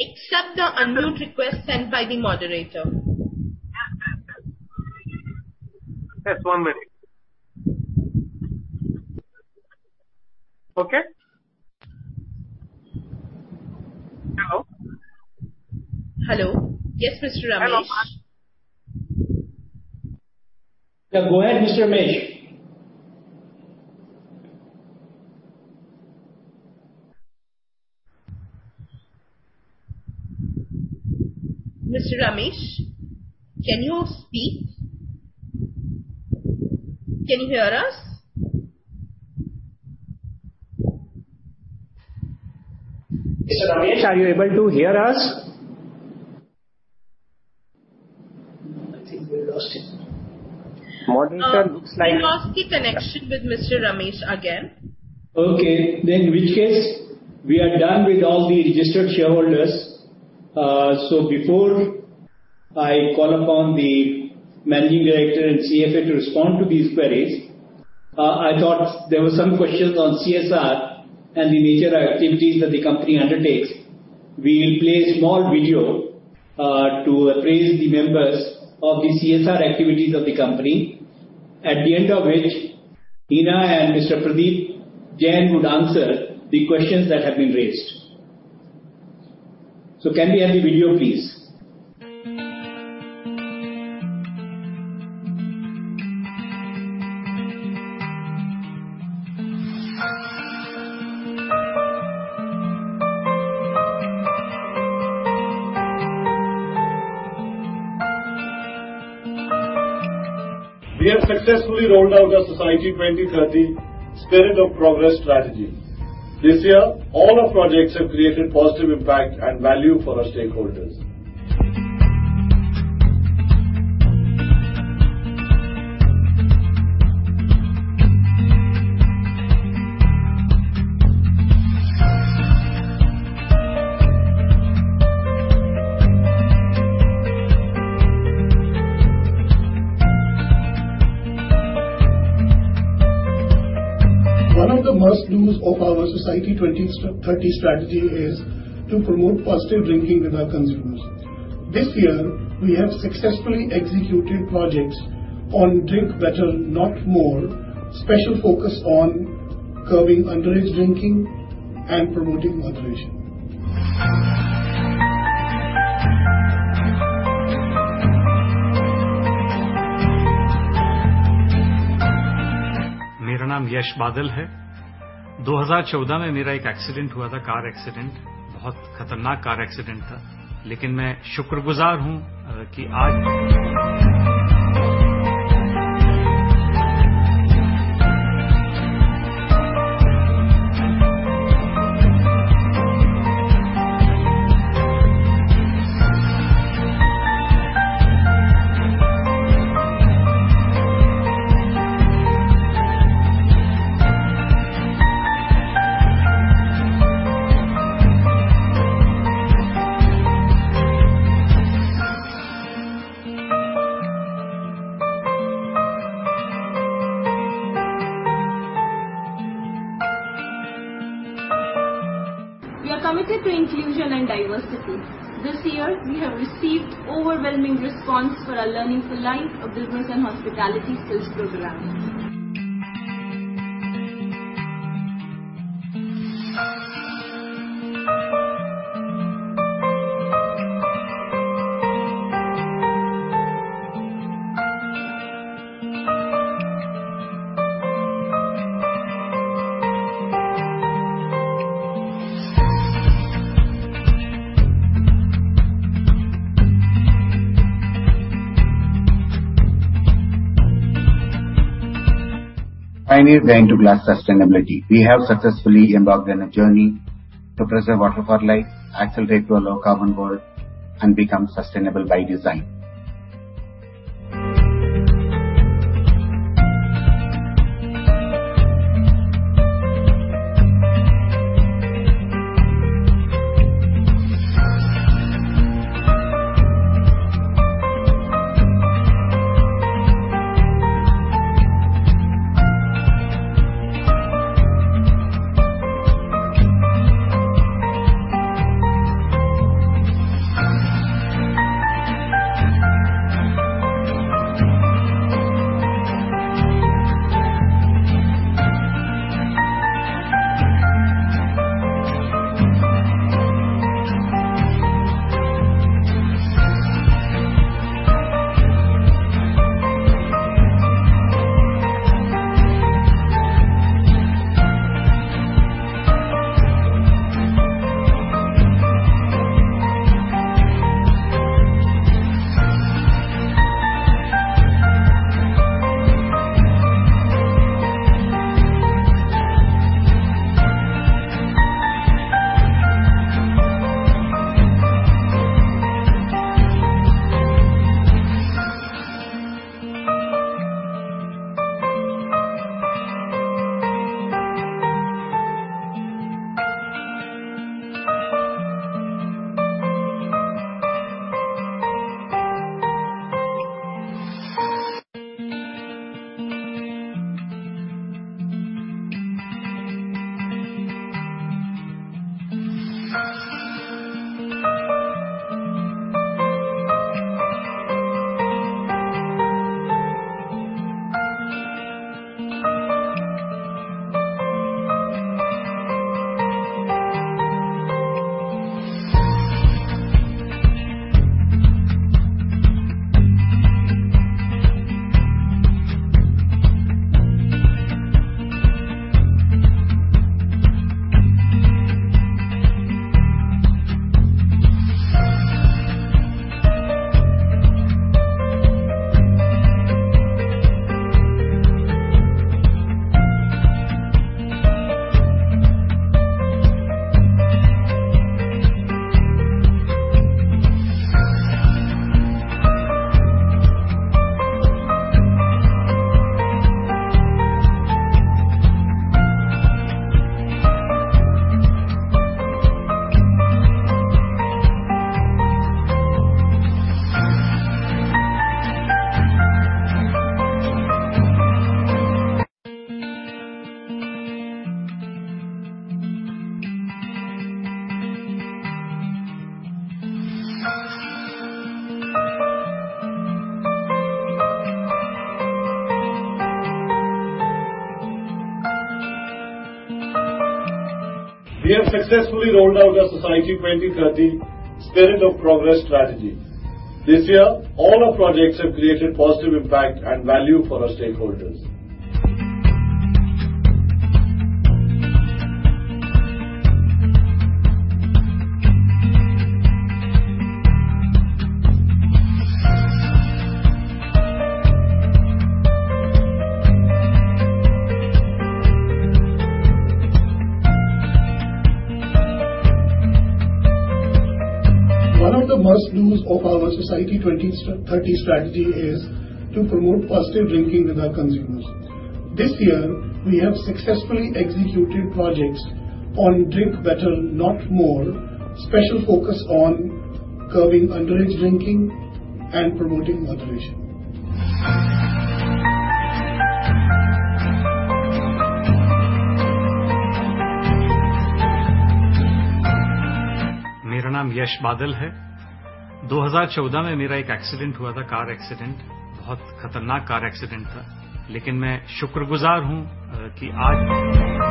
accept the unmute request sent by the moderator. Yes, one minute. Okay. Hello? Hello. Yes, Mr. Ramesh. Yeah, go ahead, Mr. Ramesh. Mr. Ramesh, can you speak? Can you hear us? Mr. Ramesh, are you able to hear us? I think we lost him. Moderator looks like. We lost the connection with Mr. Ramesh again. Okay. In which case we are done with all the registered shareholders. Before I call upon the managing director and CFO to respond to these queries, I thought there were some questions on CSR and the major activities that the company undertakes. We'll play a small video to appraise the members of the CSR activities of the company, at the end of which Hina and Mr. Pradeep Jain would answer the questions that have been raised. Can we have the video, please? We have successfully rolled out our Society 2030: Spirit of Progress strategy. This year, all our projects have created positive impact and value for our stakeholders. One of the must-dos of our Society 2030 strategy is to promote positive drinking with our consumers. This year, we have successfully executed projects on drink better, not more, special focus on curbing underage drinking and promoting moderation. We are committed to inclusion and diversity. This year we have received overwhelming response for our Learning for Life Livelihood and Hospitality Skills programming. Pioneer going to glass sustainability. We have successfully embarked on a journey to preserve water for life, accelerate to a low carbon world and become sustainable by design. We have successfully rolled out our Society 2030: Spirit of Progress strategy. This year, all our projects have created positive impact and value for our stakeholders. One of the must-dos of our Society 2030 strategy is to promote positive drinking with our consumers. This year we have successfully executed projects on drink better, not more. Special focus on curbing underage drinking and promoting moderation. My name is Yash Badal. In 2014, I had an accident, car accident, very dangerous car accident. I am thankful that today. We are committed to inclusion and diversity.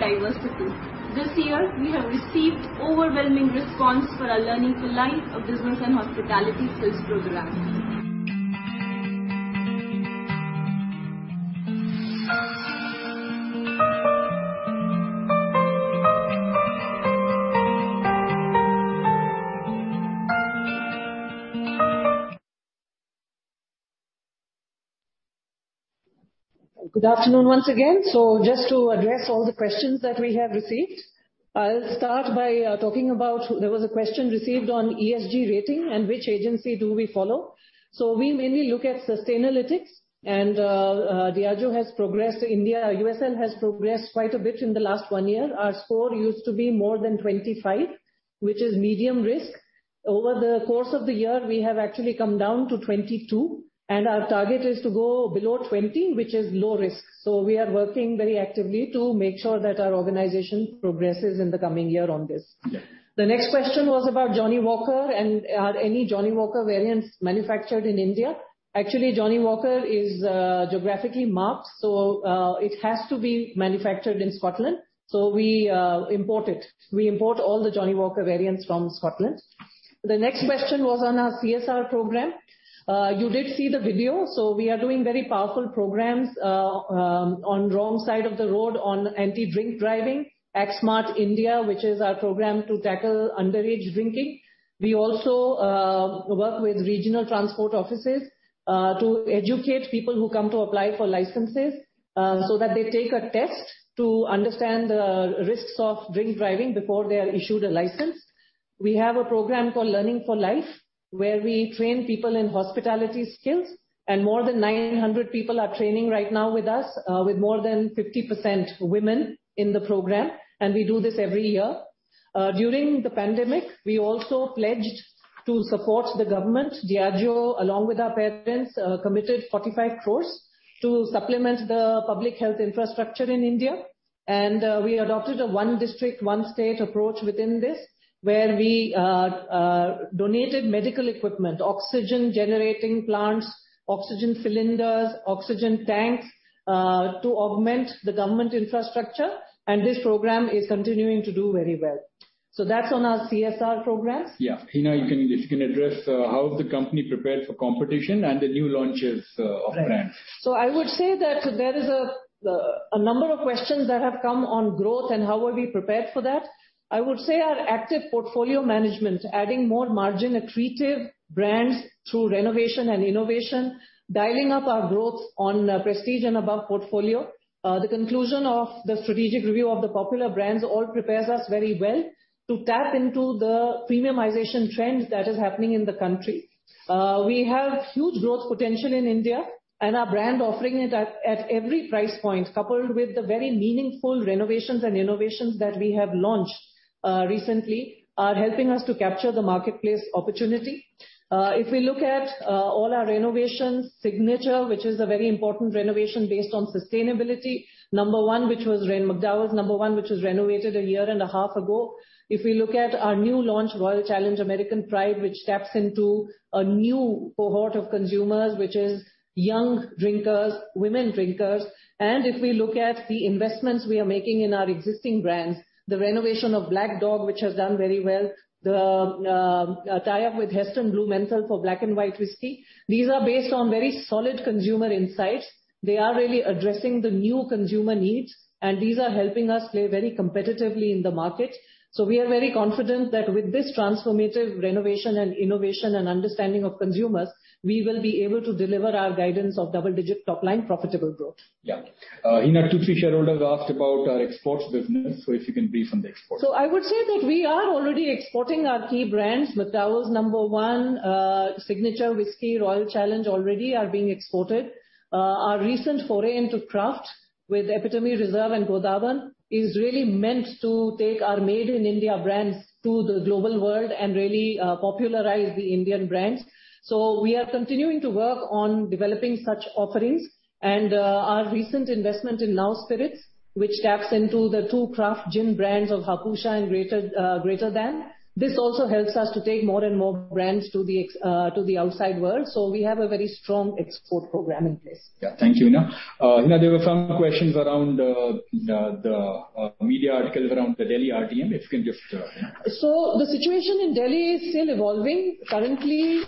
This year we have received overwhelming response for our Learning for Life, a business and hospitality skills program. Good afternoon once again. Just to address all the questions that we have received. I'll start by talking about. There was a question received on ESG rating and which agency do we follow. We mainly look at Sustainalytics. Diageo has progressed. USL has progressed quite a bit in the last one year. Our score used to be more than 25, which is medium risk. Over the course of the year, we have actually come down to 22, and our target is to go below 20, which is low risk. We are working very actively to make sure that our organization progresses in the coming year on this. The next question was about Johnnie Walker and are any Johnnie Walker variants manufactured in India. Actually, Johnnie Walker is geographically marked, so it has to be manufactured in Scotland, so we import it. We import all the Johnnie Walker variants from Scotland. The next question was on our CSR program. You did see the video. We are doing very powerful programs on wrong side of the road on anti-drink driving. Act Smart India, which is our program to tackle underage drinking. We also work with regional transport offices to educate people who come to apply for licenses so that they take a test to understand the risks of drink driving before they are issued a license. We have a program called Learning for Life, where we train people in hospitality skills, and more than 900 people are training right now with us, with more than 50% women in the program. We do this every year. During the pandemic, we also pledged to support the government. Diageo, along with our parents, committed 45 crore to supplement the public health infrastructure in India. We adopted a one district, one state approach within this, where we donated medical equipment, oxygen generating plants, oxygen cylinders, oxygen tanks to augment the government infrastructure. This program is continuing to do very well. That's on our CSR programs. Yeah. Hina, you can, if you can address how is the company prepared for competition and the new launches of brands. I would say that there is a number of questions that have come on growth and how are we prepared for that. I would say our active portfolio management, adding more margin-accretive brands through renovation and innovation, dialing up our growth on prestige and above portfolio. The conclusion of the strategic review of the popular brands all prepares us very well to tap into the premiumization trend that is happening in the country. We have huge growth potential in India, and our brand offering it at every price point, coupled with the very meaningful renovations and innovations that we have launched recently, are helping us to capture the marketplace opportunity. If we look at all our renovations, Signature, which is a very important renovation based on sustainability, number one, which was renowned McDowell's No.1, which was renovated a year and a half ago. If we look at our new launch, Royal Challenge American Pride, which taps into a new cohort of consumers, which is young drinkers, women drinkers, and if we look at the investments we are making in our existing brands, the renovation of Black Dog, which has done very well, the tie-up with Heston Blumenthal for Black & White whisky. These are based on very solid consumer insights. They are really addressing the new consumer needs, and these are helping us play very competitively in the market. We are very confident that with this transformative renovation and innovation and understanding of consumers, we will be able to deliver our guidance of double-digit top-line profitable growth. Yeah. Hina, 2-3 shareholders asked about our exports business, so if you can brief on the exports. I would say that we are already exporting our key brands, McDowell's No.1, Signature Whisky, Royal Challenge already are being exported. Our recent foray into craft with Epitome Reserve and Godawan is really meant to take our made-in-India brands to the global world and really popularize the Indian brands. We are continuing to work on developing such offerings and our recent investment in NAO Spirits, which taps into the two craft gin brands of Hapusa and Greater Than. This also helps us to take more and more brands to the outside world. We have a very strong export program in place. Yeah. Thank you, Hina. Hina, there were some questions around the media articles around the Delhi RTM, if you can just. The situation in Delhi is still evolving. Currently,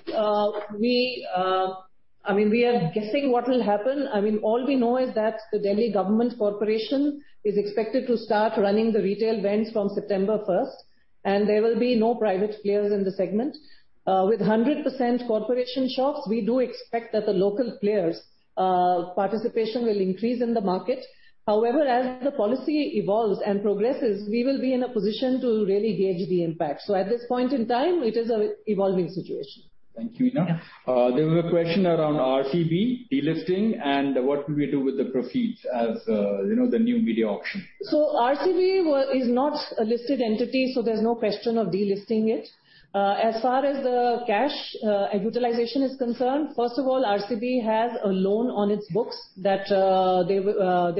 we are guessing what will happen. I mean, all we know is that the Delhi Government's Corporation is expected to start running the retail vends from September first, and there will be no private players in the segment. With 100% corporation shops, we do expect that the local players' participation will increase in the market. However, as the policy evolves and progresses, we will be in a position to really gauge the impact. At this point in time, it is an evolving situation. Thank you, Hina. Yeah. There was a question around RCB delisting and what will we do with the proceeds as the new media auction. RCB is not a listed entity, so there's no question of delisting it. As far as the cash utilization is concerned, first of all, RCB has a loan on its books that they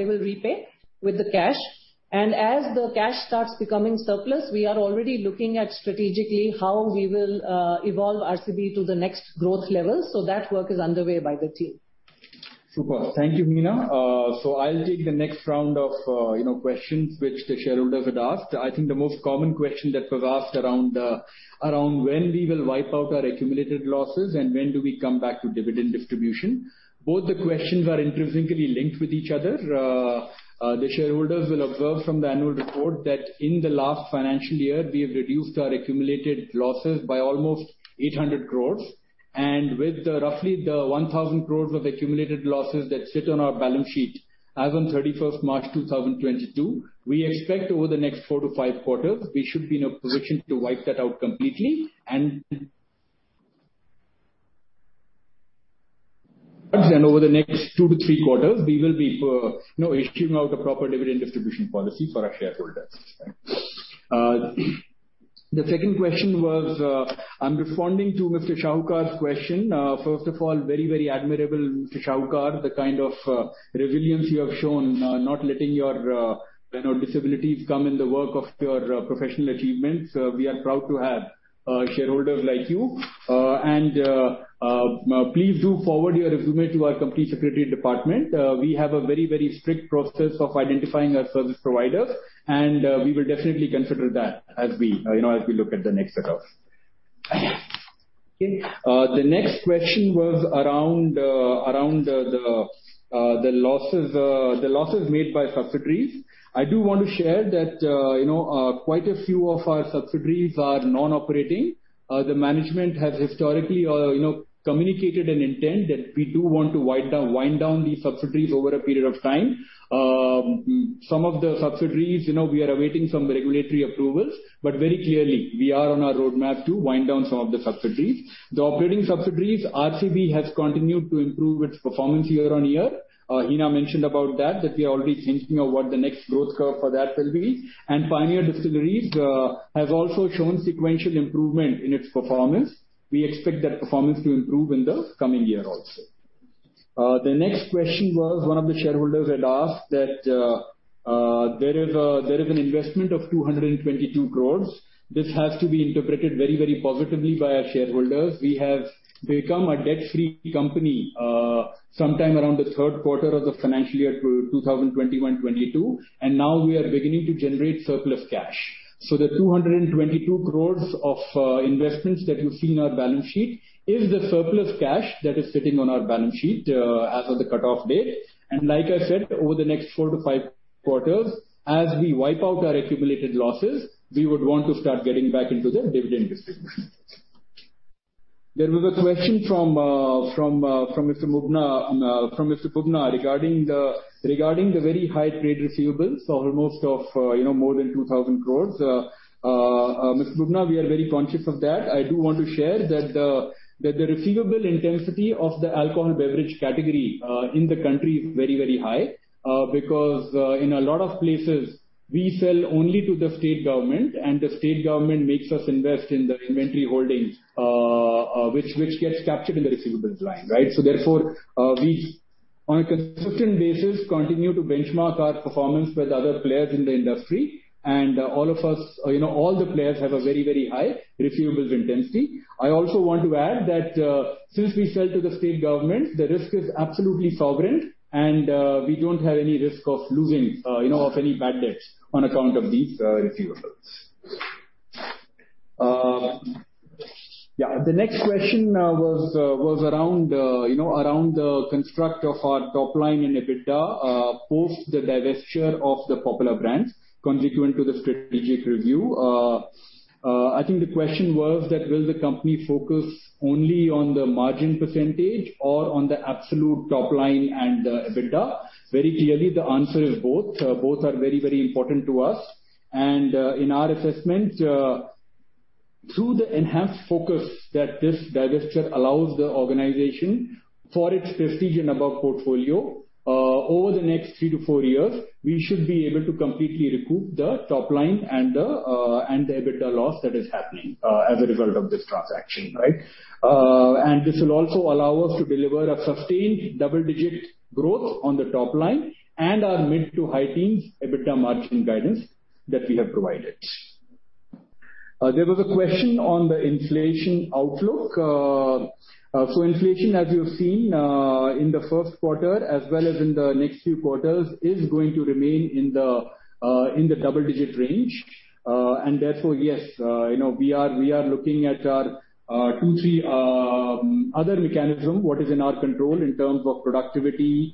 will repay with the cash. As the cash starts becoming surplus, we are already looking at strategically how we will evolve RCB to the next growth level. That work is underway by the team. Super. Thank you, Hina. I'll take the next round of, you know, questions which the shareholders had asked. I think the most common question that was asked around around when we will wipe out our accumulated losses and when do we come back to dividend distribution. Both the questions are intrinsically linked with each other. The shareholders will observe from the annual report that in the last financial year, we have reduced our accumulated losses by almost 800 crore. With roughly 1,000 crore of accumulated losses that sit on our balance sheet as on 31st March 2022, we expect over the next 4-5 quarters, we should be in a position to wipe that out completely. Over the next 2-3 quarters, we will be issuing out a proper dividend distribution policy for our shareholders. The second question was, I'm responding to Mr. Kaushik Shahukar's question. First of all, very, very admirable, Mr. Shahukar, the kind of resilience you have shown, not letting your disabilities come in the way of your professional achievements. We are proud to have a shareholder like you. Please do forward your resume to our company secretarial department. We have a very, very strict process of identifying our service providers, and we will definitely consider that. Okay. The next question was around the losses made by subsidiaries. I do want to share that, you know, quite a few of our subsidiaries are non-operating. The management has historically, you know, communicated an intent that we do want to wind down these subsidiaries over a period of time. Some of the subsidiaries, you know, we are awaiting some regulatory approvals, but very clearly, we are on our roadmap to wind down some of the subsidiaries. The operating subsidiaries, RCB, has continued to improve its performance year-over-year. Hina mentioned about that we are already thinking of what the next growth curve for that will be. Pioneer Distilleries have also shown sequential improvement in its performance. We expect that performance to improve in the coming year also. The next question was one of the shareholders had asked that there is an investment of 222 crore. This has to be interpreted very, very positively by our shareholders. We have become a debt-free company sometime around the third quarter of the financial year 2021-2022, and now we are beginning to generate surplus cash. The 222 crore of investments that you see in our balance sheet is the surplus cash that is sitting on our balance sheet as of the cutoff date. Like I said, over the next 4-5 quarters, as we wipe out our accumulated losses, we would want to start getting back into the dividend distribution. There was a question from Mr. Bubna regarding the very high trade receivables of almost, you know, more than 2,000 crores. Mr. Bubna, we are very conscious of that. I do want to share that the receivable intensity of the alcohol beverage category in the country is very, very high. Because in a lot of places, we sell only to the state government, and the state government makes us invest in the inventory holdings, which gets captured in the receivables line, right? Therefore, we on a consistent basis continue to benchmark our performance with other players in the industry. All of us, you know, all the players have a very, very high receivables intensity. I also want to add that, since we sell to the state government, the risk is absolutely sovereign and, we don't have any risk of losing, you know, of any bad debts on account of these, receivables. The next question was around, you know, around the construct of our top line and EBITDA, post the divestiture of the popular brands consequent to the strategic review. I think the question was that will the company focus only on the margin percentage or on the absolute top line and the EBITDA? Very clearly, the answer is both. Both are very, very important to us. In our assessment, through the enhanced focus that this divestiture allows the organization for its prestige and above portfolio, over the next three to four years, we should be able to completely recoup the top line and the EBITDA loss that is happening as a result of this transaction, right? This will also allow us to deliver a sustained double-digit growth on the top line and our mid-to-high teens EBITDA margin guidance that we have provided. There was a question on the inflation outlook. Inflation, as you've seen, in the first quarter, as well as in the next few quarters, is going to remain in the double-digit range. Therefore, yes, you know, we are looking at our 2-3 other mechanism, what is in our control in terms of productivity,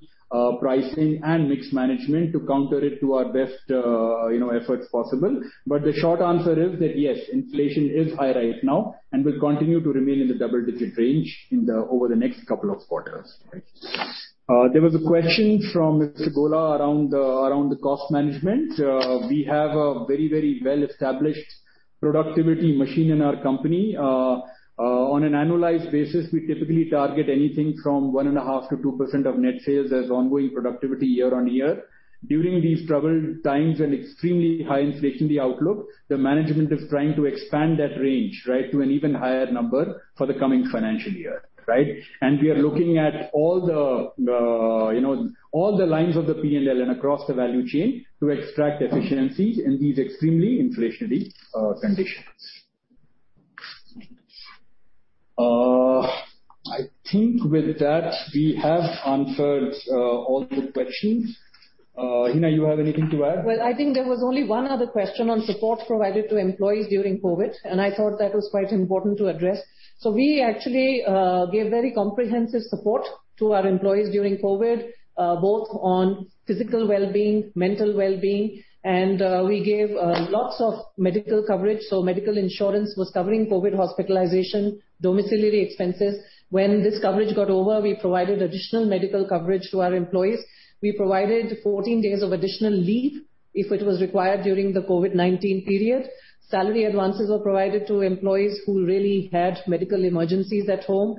pricing and mix management to counter it to our best efforts possible. The short answer is that, yes, inflation is high right now and will continue to remain in the double-digit range over the next couple of quarters. There was a question from Mr. Gola around the cost management. We have a very well-established productivity machine in our company. On an annualized basis, we typically target anything from 1.5%-2% of net sales as ongoing productivity year-on-year. During these troubled times and extremely high inflation, the outlook, management is trying to expand that range, right? To an even higher number for the coming financial year, right? We are looking at all the you know all the lines of the P&L and across the value chain to extract efficiencies in these extremely inflationary conditions. I think with that we have answered all the questions. Hina, you have anything to add? Well, I think there was only one other question on support provided to employees during COVID, and I thought that was quite important to address. We actually gave very comprehensive support to our employees during COVID, both on physical wellbeing, mental wellbeing, and we gave lots of medical coverage, so medical insurance was covering COVID hospitalization, domiciliary expenses. When this coverage got over, we provided additional medical coverage to our employees. We provided 14 days of additional leave if it was required during the COVID-19 period. Salary advances were provided to employees who really had medical emergencies at home.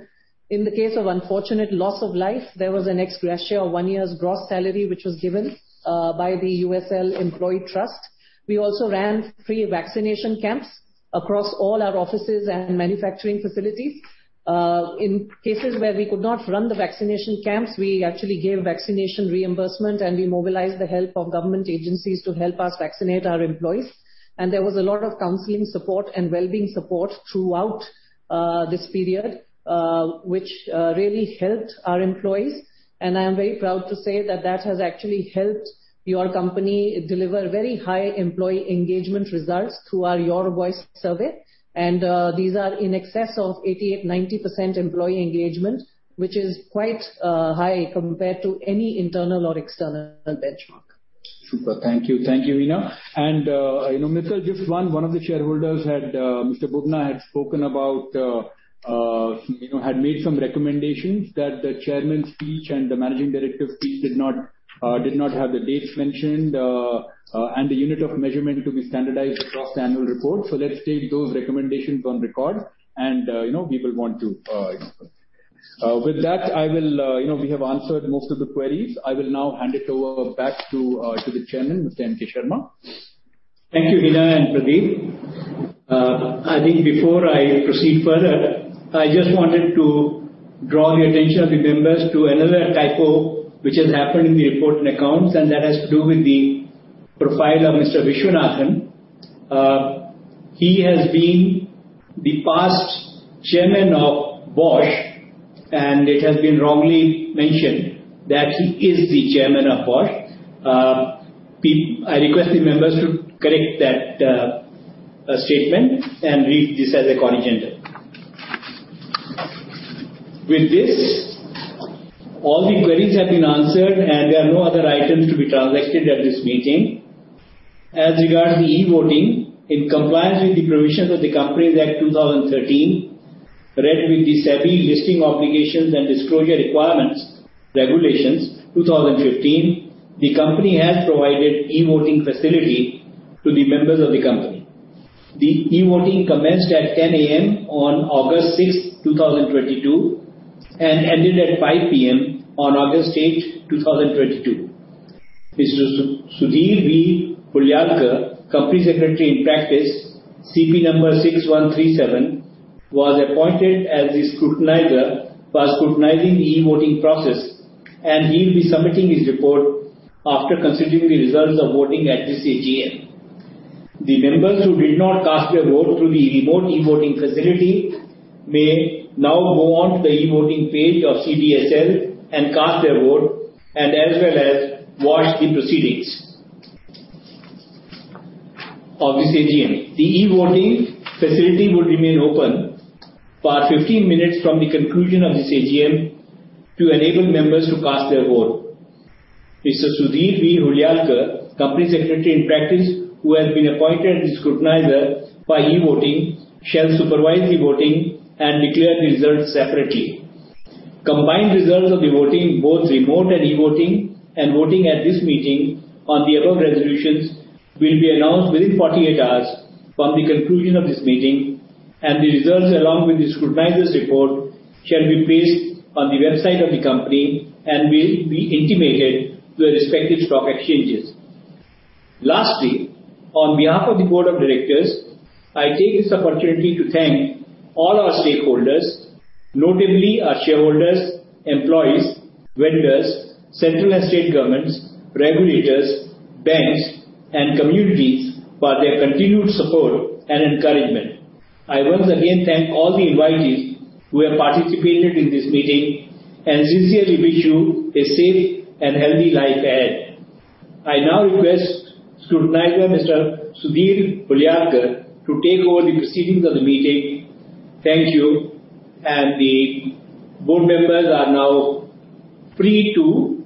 In the case of unfortunate loss of life, there was an ex gratia of one year's gross salary, which was given by the USL Employee Trust. We also ran free vaccination camps across all our offices and manufacturing facilities. In cases where we could not run the vaccination camps, we actually gave vaccination reimbursement, and we mobilized the help of government agencies to help us vaccinate our employees. There was a lot of counseling support and well-being support throughout this period, which really helped our employees. I am very proud to say that that has actually helped your company deliver very high employee engagement results through our Your Voice survey. These are in excess of 80%-90% employee engagement, which is quite high compared to any internal or external benchmark. Super. Thank you. Thank you, Hina. You know, Mital, just one of the shareholders, Mr. Bubna, had spoken about, you know, had made some recommendations that the Chairman's speech and the Managing Director's speech did not have the dates mentioned and the unit of measurement to be standardized across the annual report. Let's take those recommendations on record and, you know, we will want to implement. With that, you know, we have answered most of the queries. I will now hand it over back to the Chairman, Mr. M.K. Sharma. Thank you, Hina and Pradeep. I think before I proceed further, I just wanted to draw the attention of the members to another typo which has happened in the report and accounts, and that has to do with the profile of Mr. Vishwanathan. He has been the past chairman of Bosch, and it has been wrongly mentioned that he is the chairman of Bosch. I request the members to correct that statement and read this as a corrigenda. With this, all the queries have been answered, and there are no other items to be transacted at this meeting. As regards the e-voting, in compliance with the provisions of the Companies Act, 2013, read with the SEBI (Listing Obligations and Disclosure Requirements) Regulations, 2015, the Company has provided e-voting facility to the members of the Company. The e-voting commenced at 10:00 A.M. on August 6, 2022, and ended at 5:00 P.M. on August 8, 2022. Mr. Sudhir V. Hulyalkar, Company Secretary in practice, CP-6137, was appointed as the scrutinizer for scrutinizing the e-voting process, and he'll be submitting his report after considering the results of voting at this AGM. The members who did not cast their vote through the remote e-voting facility may now go onto the e-voting page of CDSL and cast their vote and as well as watch the proceedings of this AGM. The e-voting facility will remain open for 15 minutes from the conclusion of this AGM to enable members to cast their vote. Mr. Sudhir V. Hulyalkar, Company Secretary in practice, who has been appointed as scrutinizer for e-voting, shall supervise the voting and declare the results separately. Combined results of the voting, both remote and e-voting and voting at this meeting on the above resolutions, will be announced within 48 hours from the conclusion of this meeting. The results, along with the scrutinizer's report, shall be placed on the website of the Company and will be intimated to the respective stock exchanges. Lastly, on behalf of the Board of Directors, I take this opportunity to thank all our stakeholders, notably our shareholders, employees, vendors, central and state governments, regulators, banks, and communities for their continued support and encouragement. I once again thank all the invitees who have participated in this meeting and sincerely wish you a safe and healthy life ahead. I now request scrutinizer Mr. Sudhir Hulyalkar to take over the proceedings of the meeting. Thank you. The Board members are now free to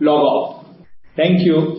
log off. Thank you.